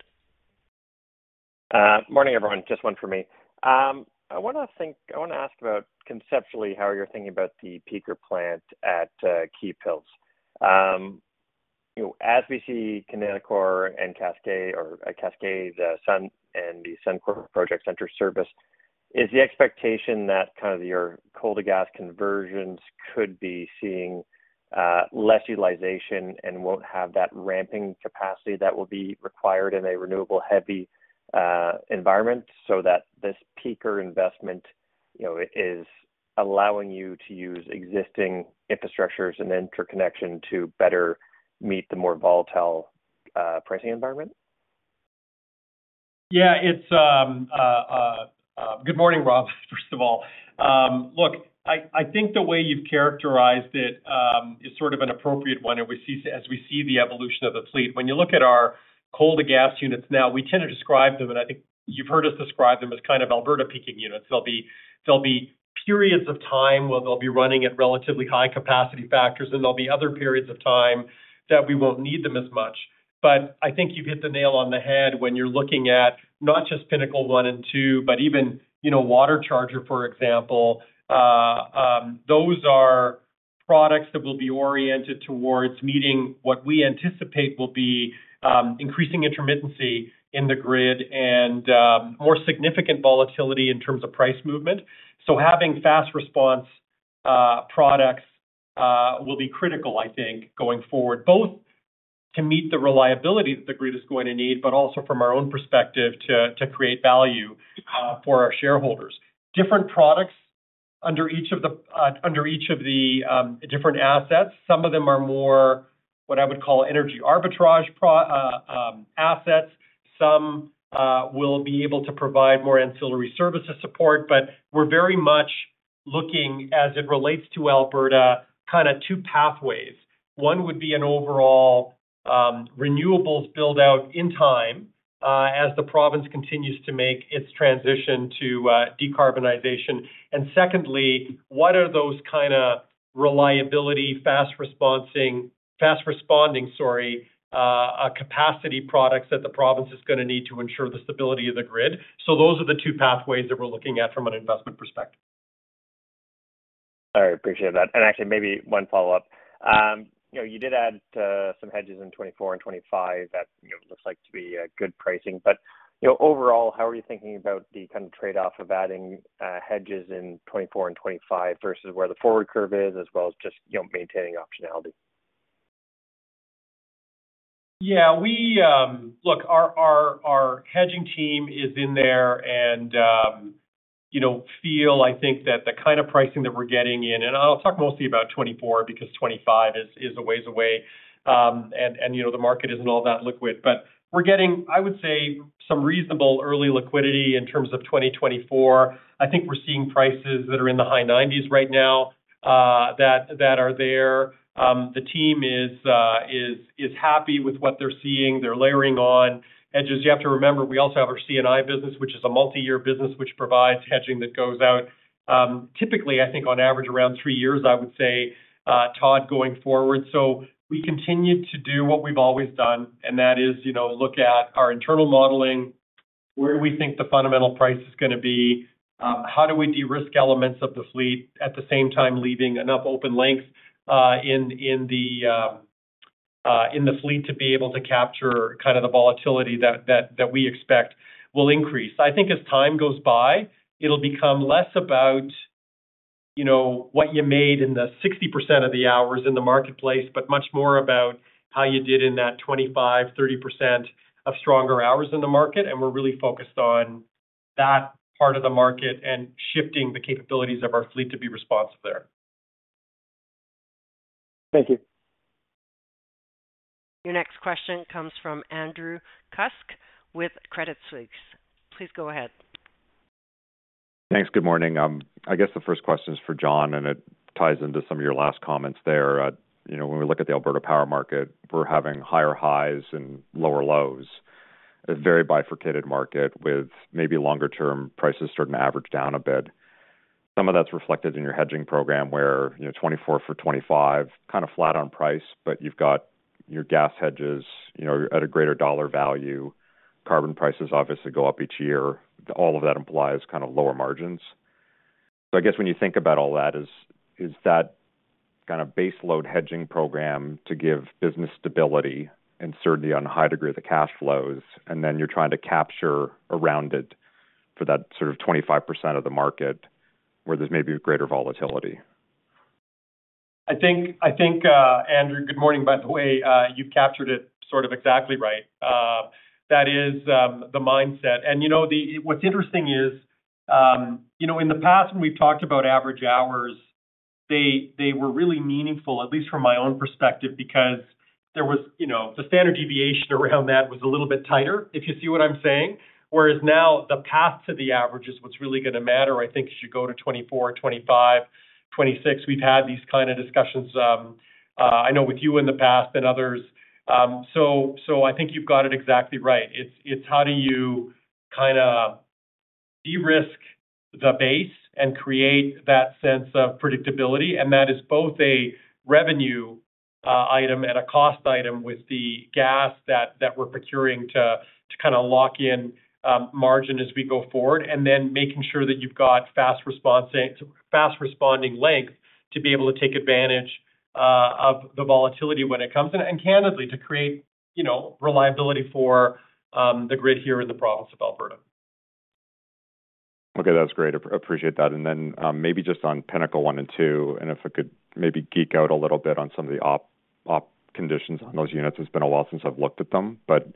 Morning, everyone. Just 1 for me. I want to ask about conceptually, how you're thinking about the peaker plant at Keephills. You know, as we see Kineticor and Cascade or Cascade, the Sun and the Suncor project center serviced, is the expectation that kind of your coal to gas conversions could be seeing less utilization and won't have that ramping capacity that will be required in a renewable heavy environment, so that this peaker investment, you know, is allowing you to use existing infrastructures and interconnection to better meet the more volatile pricing environment? Yeah, it's. Good morning, Rob, first of all. Look, I think the way you've characterized it, is sort of an appropriate one. We see- as we see the evolution of the fleet. When you look at our coal to gas units now, we tend to describe them, and I think you've heard us describe them as kind of Alberta peaking units. There'll be, there'll be periods of time where they'll be running at relatively high capacity factors, and there'll be other periods of time that we won't need them as much. I think you've hit the nail on the head when you're looking at not just Pinnacle 1 and 2, but even, you know, WaterCharger, for example. Those are products that will be oriented towards meeting what we anticipate will be increasing intermittency in the grid and more significant volatility in terms of price movement. So having fast response products will be critical, I think, going forward, both to meet the reliability that the grid is going to need, but also from our own perspective, to create value for our shareholders. Different products under each of the under each of the different assets. Some of them are more, what I would call, energy arbitrage assets. Some will be able to provide more ancillary services support. But we're very much looking as it relates to Alberta, kind of two pathways. One would be an overall renewables build-out in time as the province continues to make its transition to decarbonization. Secondly, what are those kind of reliability, fast responding, sorry, capacity products that the province is going to need to ensure the stability of the grid? Those are the two pathways that we're looking at from an investment perspective. All right, appreciate that. Actually, maybe one follow-up. You know, you did add some hedges in 2024 and 2025. That, you know, looks like to be a good pricing. You know, overall, how are you thinking about the kind of trade-off of adding hedges in 2024 and 2025 versus where the forward curve is, as well as just, you know, maintaining optionality? Yeah, we. Look, our hedging team is in there and, you know, I think that the kind of pricing that we're getting in, and I'll talk mostly about 2024 because 2025 is a ways away, and, you know, the market isn't all that liquid. We're getting, I would say, some reasonable early liquidity in terms of 2024. I think we're seeing prices that are in the high 90s right now that are there. The team is happy with what they're seeing. They're layering on. Just you have to remember, we also have our C&I business, which is a multi-year business, which provides hedging that goes out, typically, I think on average, around three years, I would say, Todd, going forward. We continue to do what we've always done, and that is, you know, look at our internal modeling, where we think the fundamental price is going to be, how do we de-risk elements of the fleet, at the same time, leaving enough open length, in, in the, in the fleet to be able to capture kind of the volatility that, that, that we expect will increase. I think as time goes by, it'll become less about, you know, what you made in the 60% of the hours in the marketplace, but much more about how you did in that 25%-30% of stronger hours in the market, and we're really focused on that part of the market and shifting the capabilities of our fleet to be responsive there. Thank you. Your next question comes from Andrew Kuske with Credit Suisse. Please go ahead. Thanks. Good morning. I guess the first question is for John, and it ties into some of your last comments there. you know, when we look at the Alberta market, we're having higher highs and lower lows. A very bifurcated market with maybe longer-term prices starting to average down a bit. Some of that's reflected in your hedging program where, you know, 2024 for 2025, kind of flat on price, but you've got your gas hedges, you know, at a greater dollar value. Carbon prices obviously go up each year. All of that implies kind of lower margins. I guess when you think about all that, is that kind of base load hedging program to give business stability and certainty on a high degree of the cash flows, and then you're trying to capture around it for that sort of 25% of the market where there's maybe a greater volatility? I think, I think, Andrew, good morning, by the way, you've captured it sort of exactly right. That is, the mindset. You know, what's interesting is, you know, in the past, when we've talked about average hours, they, they were really meaningful, at least from my own perspective, because there was, you know, the standard deviation around that was a little bit tighter, if you see what I'm saying. Whereas now, the path to the average is what's really going to matter, I think, as you go to 2024, 2025, 2026. We've had these kind of discussions, I know with you in the past and others. I think you've got it exactly right. It's, it's how do you kinda de-risk the base and create that sense of predictability? That is both a revenue item and a cost item with the Gas that, that we're procuring to, to kinda lock in margin as we go forward, and then making sure that you've got fast responding length to be able to take advantage of the volatility when it comes in, and candidly, to create, you know, reliability for the grid here in the province of Alberta. Okay, that's great. Appreciate that, and then, maybe just on Pinnacle 1 and 2, and if I could maybe geek out a little bit on some of the op conditions on those units. It's been a while since I've looked at them, but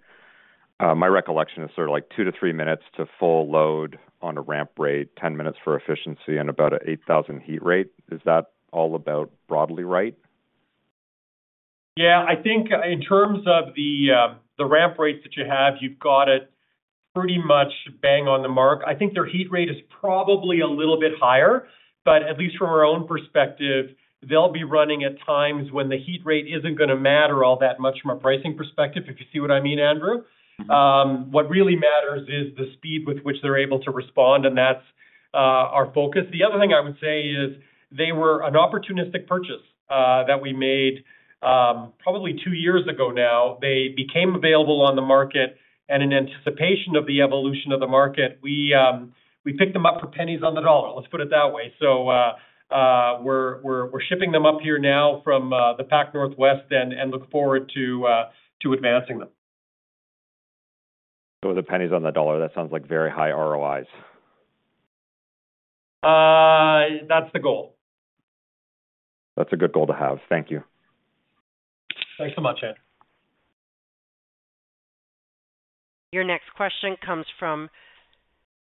my recollection is sort of like two to three minutes to full load on a ramp rate, 10 minutes for efficiency, and about an 8,000 heat rate. Is that all about broadly right? Yeah, I think in terms of the ramp rates that you have, you've got it pretty much bang on the mark. I think their heat rate is probably a little bit higher, but at least from our own perspective, they'll be running at times when the heat rate isn't going to matter all that much from a pricing perspective, if you see what I mean, Andrew. Mm-hmm. What really matters is the speed with which they're able to respond, and that's our focus. The other thing I would say is they were an opportunistic purchase that we made probably two years ago now. They became available on the market, in anticipation of the evolution of the market, we picked them up for pennies on the dollar. Let's put it that way. We're shipping them up here now from the Pac Northwest and look forward to advancing them. The pennies on the dollar, that sounds like very high ROIs. That's the goal. That's a good goal to have. Thank you. Thanks so much, Andrew. Your next question comes from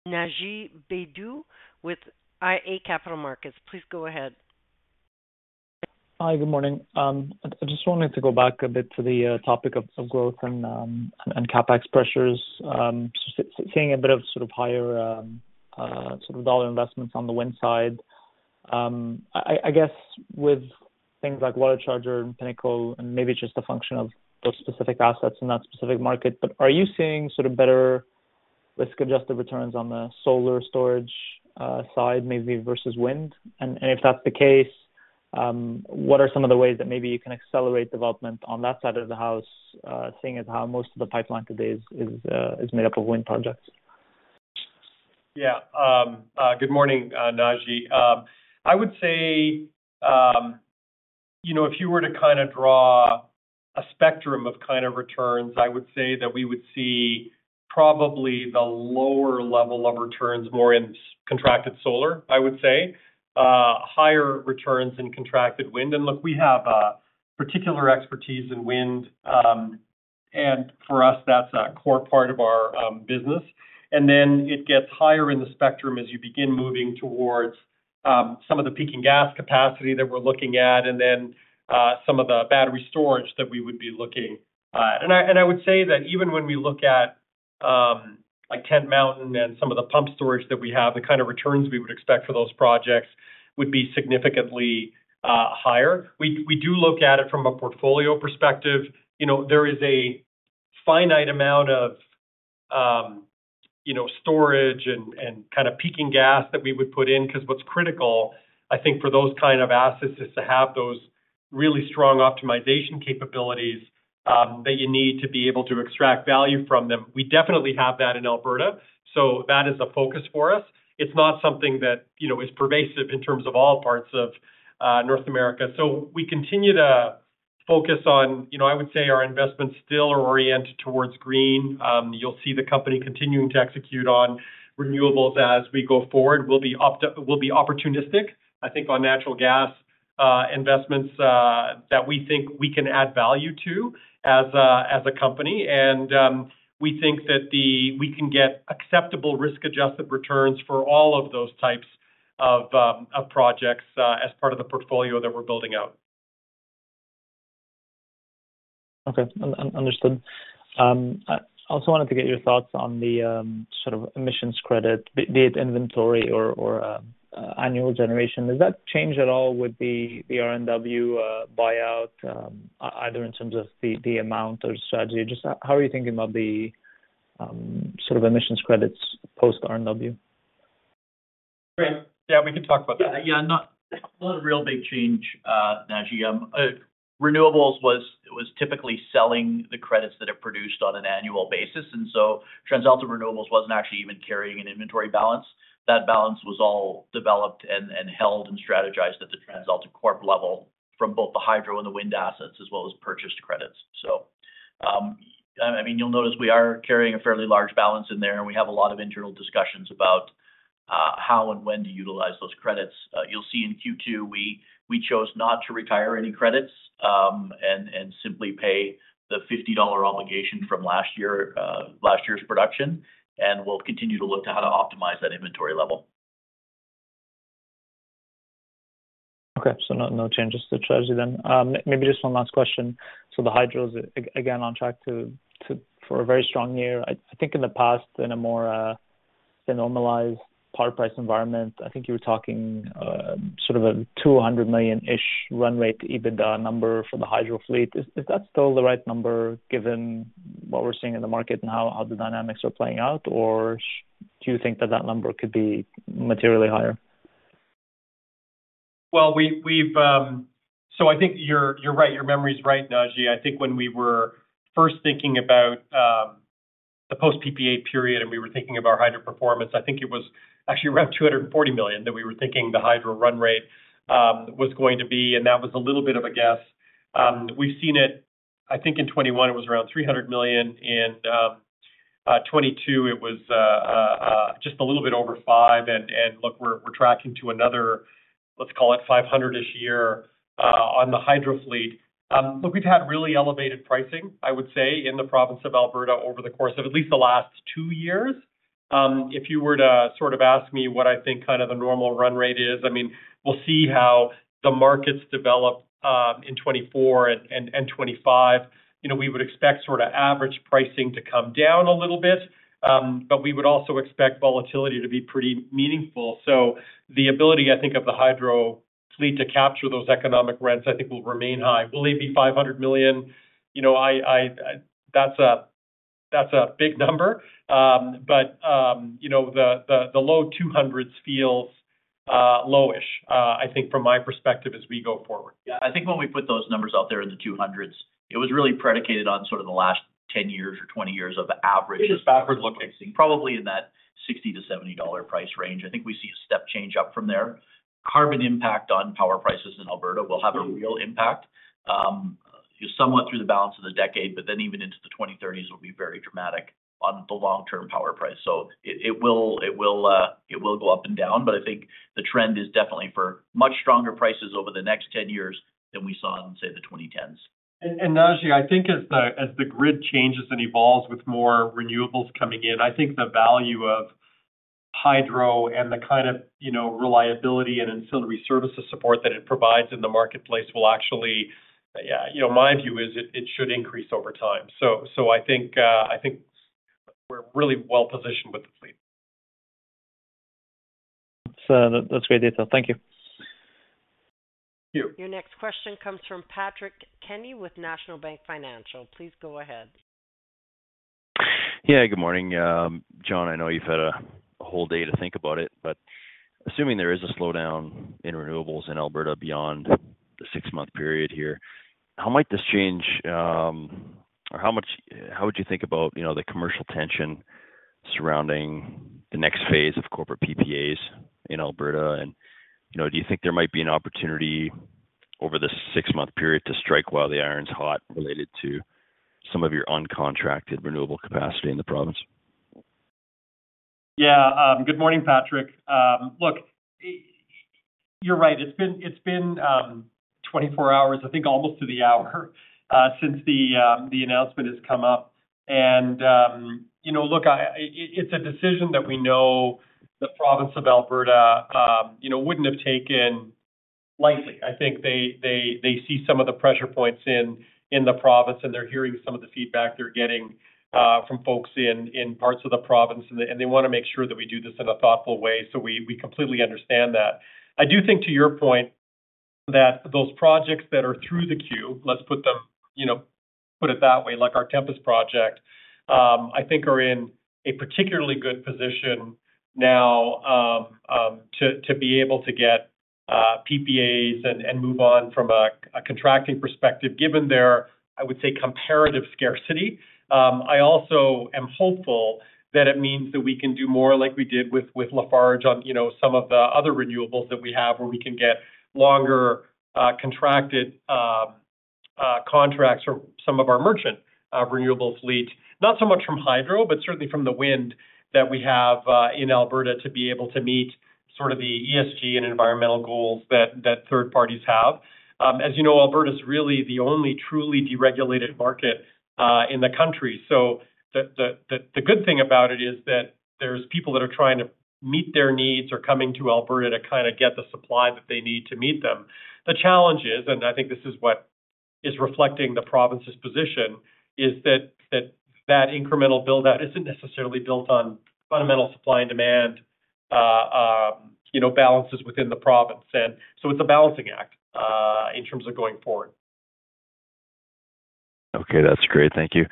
Naji Baydoun with iA Capital Markets. Please go ahead. Hi, good morning. I just wanted to go back a bit to the topic of growth and CapEx pressures. Seeing a bit of sort of higher sort of dollar investments on the Wind side. I, I, I guess with things like WaterCharger and Pinnacle, and maybe it's just a function of those specific assets in that specific market, but are you seeing sort of better risk-adjusted returns on the solar storage side, maybe versus Wind? If that's the case, what are some of the ways that maybe you can accelerate development on that side of the house, seeing as how most of the pipeline today is, is made up of wind projects? Yeah, good morning, Naji. I would say, you know, if you were to kinda draw a spectrum of kind of returns, I would say that we would see probably the lower level of returns more in contracted solar, I would say. Higher returns in contracted wind. Look, we have a particular expertise in wind, and for us, that's a core part of our business. Then it gets higher in the spectrum as you begin moving towards some of the peaking gas capacity that we're looking at, and then some of the battery storage that we would be looking at. I, and I would say that even when we look at, like Tent Mountain and some of the pump storage that we have, the kind of returns we would expect for those projects would be significantly higher. We, we do look at it from a portfolio perspective. You know, there is a finite amount of, you know, storage and, and kinda peaking gas that we would put in, because what's critical, I think, for those kind of assets, is to have those really strong optimization capabilities that you need to be able to extract value from them. We definitely have that in Alberta, so that is a focus for us. It's not something that, you know, is pervasive in terms of all parts of North America. We continue to focus on... You know, I would say our investments still are oriented towards green. You'll see the company continuing to execute on renewables as we go forward. We'll be opportunistic, I think, on natural gas investments that we think we can add value to as a company. We think that we can get acceptable risk-adjusted returns for all of those types of projects as part of the portfolio that we're building out. Okay. Understood. I also wanted to get your thoughts on the sort of emissions credit, be it inventory or annual generation. Does that change at all with the RNW buyout, either in terms of the amount or strategy? Just how are you thinking about the sort of emissions credits post RNW? Great. Yeah, we can talk about that. Yeah, not, not a real big change, Naji. Renewables was, was typically selling the credits that it produced on an annual basis, and so TransAlta Renewables wasn't actually even carrying an inventory balance. That balance was all developed and, and held, and strategized at the TransAlta Corp level from both the Hydro and the Wind assets, as well as purchased credits. I mean, you'll notice we are carrying a fairly large balance in there, and we have a lot of internal discussions about how and when to utilize those credits. You'll see in Q2, we, we chose not to retire any credits, and, and simply pay the 50 dollar obligation from last year, last year's production, and we'll continue to look to how to optimize that inventory level. Okay. No, no changes to strategy then. Maybe just one last question. The Hydro's again on track to for a very strong year. I think in the past, in a more normalized power price environment, I think you were talking sort of a 200 million-ish run rate to EBITDA number for the Hydro fleet. Is that still the right number, given what we're seeing in the market and how the dynamics are playing out, or do you think that that number could be materially higher? Well, we've, we've... I think you're, you're right. Your memory is right, Naji. I think when we were first thinking about the post-PPA period, and we were thinking of our Hydro performance, I think it was actually around 240 million, that we were thinking the Hydro run rate was going to be, and that was a little bit of a guess. We've seen it, I think in 2021, it was around 300 million, and 2022, it was just a little bit over 500 million. Look, we're tracking to another, let's call it 500 million-ish year on the Hydro fleet. We've had really elevated pricing, I would say, in the province of Alberta over the course of at least the last two years. If you were to sort of ask me what I think kind of a normal run rate is, I mean, we'll see how the markets develop, in 2024 and 2025. You know, we would expect sort of average pricing to come down a little bit, but we would also expect volatility to be pretty meaningful. The ability, I think, of the Hydro fleet to capture those economic rents, I think, will remain high. Will they be 500 million? You know, I, that's a, that's a big number. You know, the low CAD 200s feels lowish, I think from my perspective as we go forward. Yeah, I think when we put those numbers out there in the CAD 200s, it was really predicated on sort of the last 10 years or 20 years of averages. It is about-... probably in that 60-70 dollar price range. I think we see a step change up from there. Carbon impact on power prices in Alberta will have a real impact, somewhat through the balance of the decade, but then even into the 2030s will be very dramatic on the long-term power price. It, it will, it will, it will go up and down, but I think the trend is definitely for much stronger prices over the next 10 years than we saw in, say, the 2010s. Naji, I think as the, as the grid changes and evolves with more renewables coming in, I think the value of Hydro and the kind of, you know, reliability and ancillary services support that it provides in the marketplace will actually. Yeah, you know, my view is it, it should increase over time. I think I think we're really well positioned with the fleet. That's great data. Thank you. Thank you. Your next question comes from Patrick Kenny with National Bank Financial. Please go ahead. Yeah, good morning. John, I know you've had a whole day to think about it, but assuming there is a slowdown in renewables in Alberta beyond the six-month period here, how might this change, or how would you think about, you know, the commercial tension surrounding the next phase of corporate PPAs in Alberta? You know, do you think there might be an opportunity over this six-month period to strike while the iron is hot, related to some of your uncontracted renewable capacity in the province? Yeah. good morning, Patrick. look, you're right. It's been, it's been, 24 hours, I think, almost to the hour, since the, the announcement has come up. you know, look, it, it's a decision that we know the province of Alberta, you know, wouldn't have taken lightly. I think they, they, they see some of the pressure points in, in the province, and they're hearing some of the feedback they're getting, from folks in, in parts of the province, and they, and they want to make sure that we do this in a thoughtful way. we, we completely understand that. I do think, to your point, that those projects that are through the queue, let's put them, you know, put it that way, like our Tempest project, I think are in a particularly good position now to be able to get PPAs and move on from a contracting perspective, given their, I would say, comparative scarcity. I also am hopeful that it means that we can do more like we did with Lafarge on, you know, some of the other renewables that we have, where we can get longer contracted contracts for some of our merchant renewables fleet. Not so much from Hydro, but certainly from the Wind that we have in Alberta to be able to meet sort of the ESG and environmental goals that third parties have. As you know, Alberta is really the only truly deregulated market in the country. The, the, the, the good thing about it is that there's people that are trying to meet their needs or coming to Alberta to kinda get the supply that they need to meet them. The challenge is, and I think this is what is reflecting the province's position, is that, that, that incremental build-out isn't necessarily built on fundamental supply and demand, you know, balances within the province. It's a balancing act in terms of going forward. Okay, that's great. Thank you.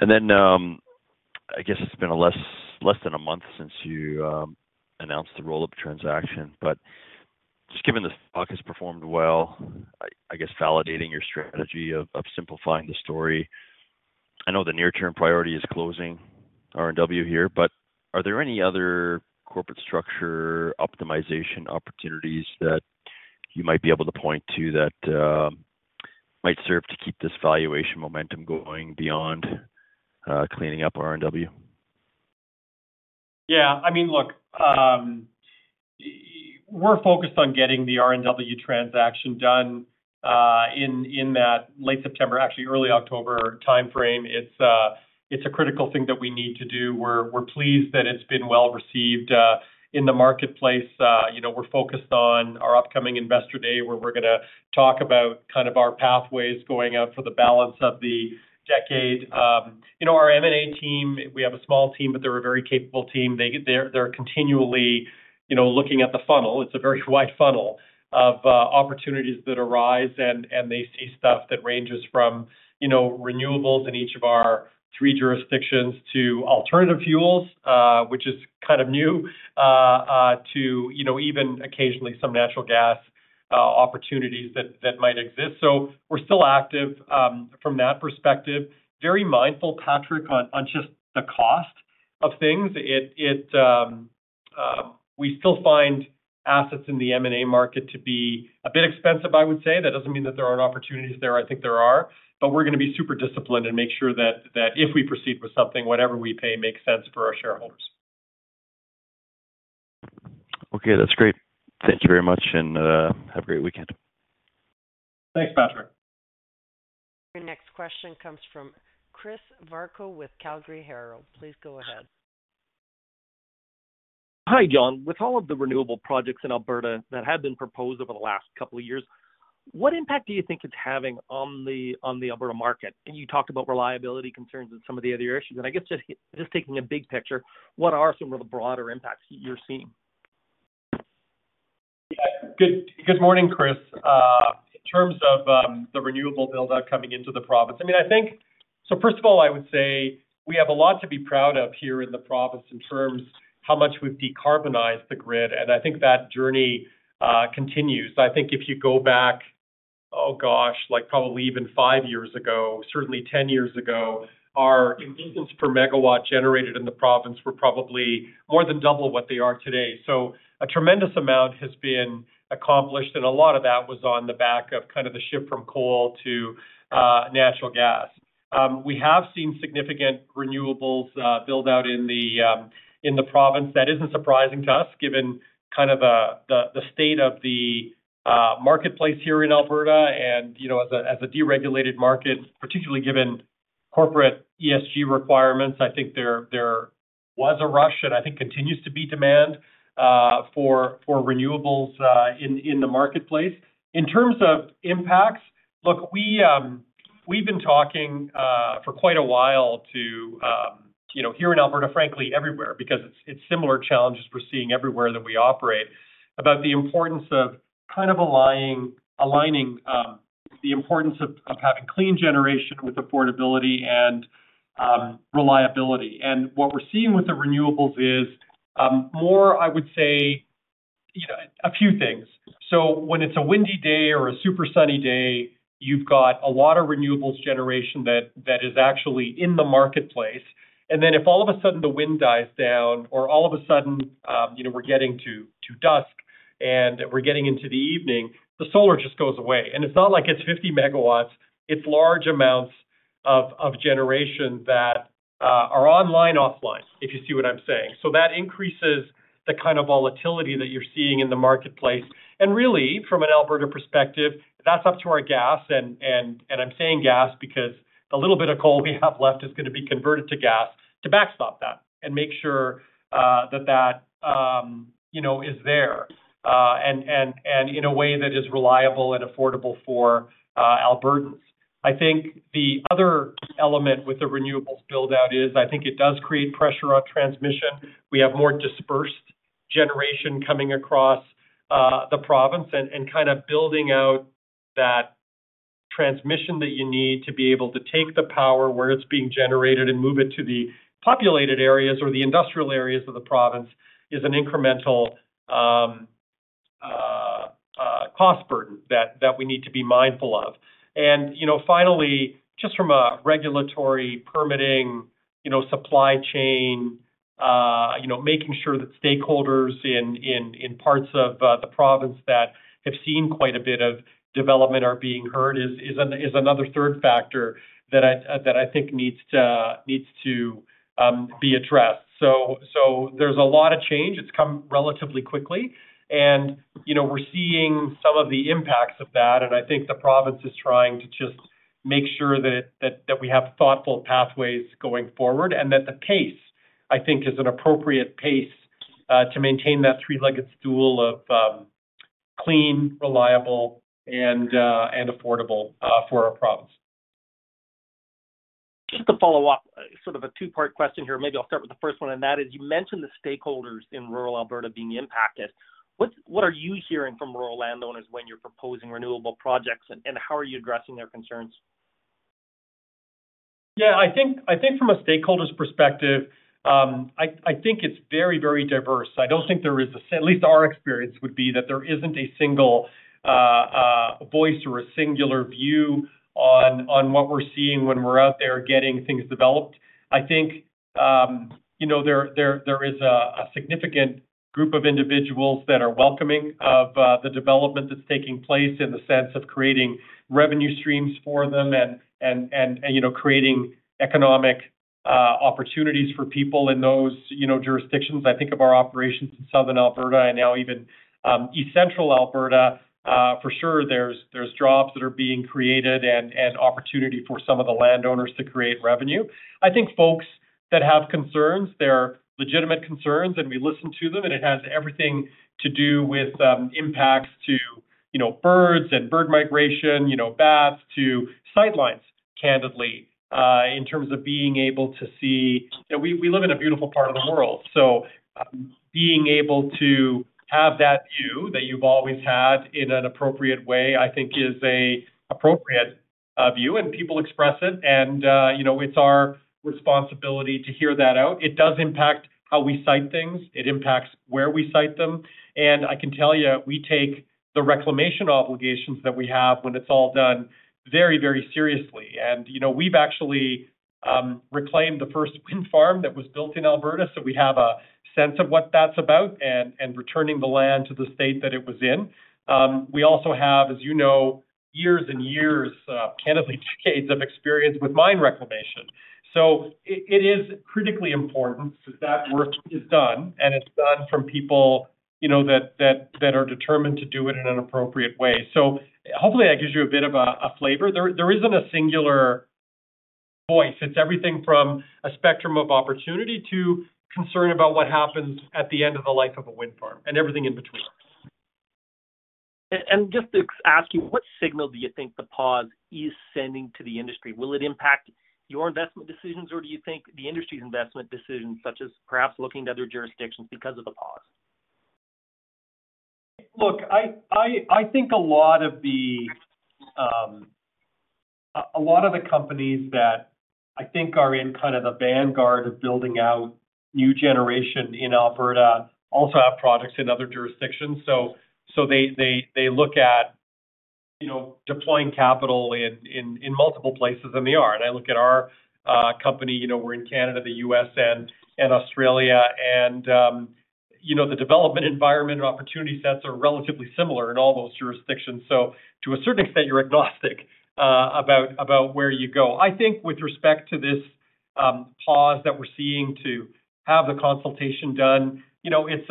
I guess it's been less than a month since you announced the roll-up transaction, but just given the stock has performed well, I guess validating your strategy of simplifying the story. I know the near-term priority is closing RNW here, are there any other corporate structure optimization opportunities that you might be able to point to that might serve to keep this valuation momentum going beyond cleaning up RNW? Yeah, I mean, look, we're focused on getting the RNW transaction done, in, in that late September, actually, early October time frame. It's, it's a critical thing that we need to do. We're, we're pleased that it's been well-received, in the marketplace. You know, we're focused on our upcoming Investor Day, where we're going to talk about kind of our pathways going out for the balance of the decade. You know, our M&A team, we have a small team, but they're a very capable team. They're, they're continually, you know, looking at the funnel. It's a very wide funnel of opportunities that arise, and they see stuff that ranges from, you know, renewables in each of our three jurisdictions to alternative fuels, which is kind of new, to, you know, even occasionally some natural gas opportunities that might exist. We're still active from that perspective. Very mindful, Patrick, on just the cost of things. We still find assets in the M&A market to be a bit expensive, I would say. That doesn't mean that there aren't opportunities there, I think there are, but we're going to be super disciplined and make sure that if we proceed with something, whatever we pay makes sense for our shareholders. Okay, that's great. Thank you very much, and have a great weekend. Thanks, Patrick. Your next question comes from Chris Varcoe with Calgary Herald. Please go ahead. Hi, John. With all of the renewable projects in Alberta that have been proposed over the last couple of years, what impact do you think it's having on the Alberta market? You talked about reliability concerns and some of the other issues, I guess just taking a big picture, what are some of the broader impacts you're seeing? Yeah. Good, good morning, Chris. In terms of the renewable build-out coming into the province, I mean, first of all, I would say we have a lot to be proud of here in the province in terms how much we've decarbonized the grid, and I think that journey continues. I think if you go back, oh, gosh, like probably even five years ago, certainly 10 years ago, our emissions per megawatt generated in the province were probably more than double what they are today. A tremendous amount has been accomplished, and a lot of that was on the back of kind of the shift from coal to natural gas. We have seen significant renewables build-out in the in the province. That isn't surprising to us, given kind of the state of the marketplace here in Alberta and, you know, as a deregulated market, particularly given corporate ESG requirements. I think there, there was a rush, and I think continues to be demand for renewables in the marketplace. In terms of impacts, look, we, we've been talking for quite a while to, you know, here in Alberta, frankly, everywhere, because it's similar challenges we're seeing everywhere that we operate, about the importance of kind of aligning the importance of having clean generation with affordability and reliability. What we're seeing with the renewables is more, I would say, you know, a few things. When it's a windy day or a super sunny day, you've got a lot of renewable generation that is actually in the marketplace. Then if all of a sudden the wind dies down or all of a sudden, you know, we're getting to dusk and we're getting into the evening, the solar just goes away. It's not like it's 50 MW, it's large amounts of generation that are online, offline, if you see what I'm saying. That increases the kind of volatility that you're seeing in the marketplace. Really, from an Alberta perspective, that's up to our Gas, and I'm saying Gas because the little bit of coal we have left is going to be converted to gas to backstop that and make sure that that, you know, is there, and in a way that is reliable and affordable for Albertans. I think the other element with the renewables build-out is, I think it does create pressure on transmission. We have more dispersed generation coming across the province and kind of building out that transmission that you need to be able to take the power where it's being generated and move it to the populated areas or the industrial areas of the province, is an incremental cost burden that we need to be mindful of. You know, finally, just from a regulatory, permitting, you know, supply chain, you know, making sure that stakeholders in, in, in parts of the province that have seen quite a bit of development are being heard is, is a, is another third factor that I, that I think needs to, needs to be addressed. There's a lot of change. It's come relatively quickly, and, you know, we're seeing some of the impacts of that, and I think the province is trying to just make sure that, that, that we have thoughtful pathways going forward, and that the pace, I think, is an appropriate pace to maintain that three-legged stool of clean, reliable, and affordable for our province. Just to follow up, sort of a two-part question here. Maybe I'll start with the first one, and that is, you mentioned the stakeholders in rural Alberta being impacted. What, what are you hearing from rural landowners when you're proposing renewables projects, and, and how are you addressing their concerns? I think, I think from a stakeholder's perspective, I, I think it's very, very diverse. I don't think there is at least our experience would be that there isn't a single voice or a singular view on, on what we're seeing when we're out there getting things developed. I think, you know, there, there, there is a, a significant group of individuals that are welcoming of the development that's taking place in the sense of creating revenue streams for them, and, and, and, you know, creating economic opportunities for people in those, you know, jurisdictions. I think of our operations in Southern Alberta and now even east-central Alberta. For sure, there's, there's jobs that are being created and, and opportunity for some of the landowners to create revenue. I think folks that have concerns, they're legitimate concerns, and we listen to them, and it has everything to do with, impacts to, you know, birds and bird migration, you know, bats, to sight lines, candidly, in terms of being able to see... You know, we, we live in a beautiful part of the world, so, being able to have that view that you've always had in an appropriate way, I think, is a appropriate, view, and people express it. You know, it's our responsibility to hear that out. It does impact how we site things. It impacts where we site them. I can tell you, we take the reclamation obligations that we have when it's all done very, very seriously. you know, we've actually reclaimed the first wind farm that was built in Alberta, so we have a sense of what that's about, and returning the land to the state that it was in. We also have, as you know, years and years, candidly, decades of experience with mine reclamation. it is critically important that work is done, and it's done from people, you know, that are determined to do it in an appropriate way. Hopefully, that gives you a bit of a flavor. There, there isn't a singular voice. It's everything from a spectrum of opportunity to concern about what happens at the end of the life of a wind farm, and everything in between. Just to ask you, what signal do you think the pause is sending to the industry? Will it impact your investment decisions, or do you think the industry's investment decisions, such as perhaps looking to other jurisdictions because of the pause? Look, I think a lot of the companies that I think are in kind of the vanguard of building out new generation in Alberta also have projects in other jurisdictions, so they look at, you know, deploying capital in multiple places, and they are. I look at our company, you know, we're in Canada, the U.S., and Australia, and, you know, the development environment and opportunity sets are relatively similar in all those jurisdictions. To a certain extent, you're agnostic about where you go. I think with respect to this pause that we're seeing to have the consultation done, you know, it's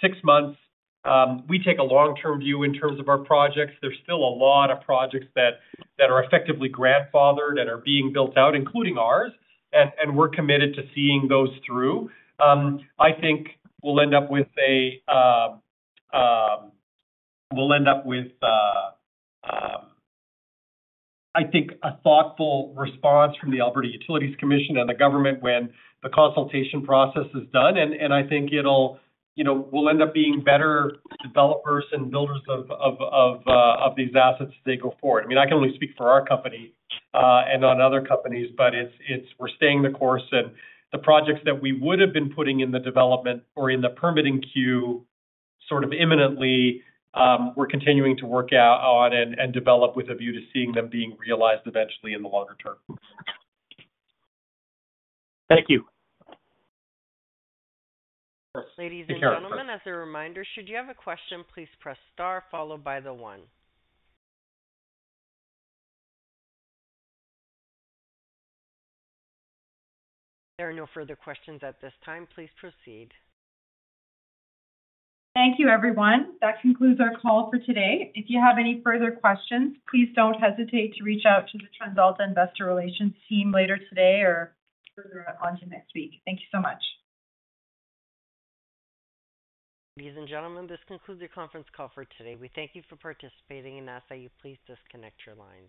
six months. We take a long-term view in terms of our projects. There's still a lot of projects that are effectively grandfathered, that are being built out, including ours, and we're committed to seeing those through. We'll end up with, I think, a thoughtful response from the Alberta Utilities Commission and the government when the consultation process is done, and I think it'll, you know, we'll end up being better developers and builders of these assets as they go forward. I mean, I can only speak for our company, and not other companies, but it's, we're staying the course, and the projects that we would have been putting in the development or in the permitting queue, sort of imminently, we're continuing to work out on and, and develop with a view to seeing them being realized eventually in the longer term. Thank you. Ladies Take care. gentlemen, as a reminder, should you have a question, please press star followed by the one. There are no further questions at this time. Please proceed. Thank you, everyone. That concludes our call for today. If you have any further questions, please don't hesitate to reach out to the TransAlta Investor Relations team later today or further on to next week. Thank you so much. Ladies and gentlemen, this concludes your conference call for today. We thank you for participating and ask that you please disconnect your lines.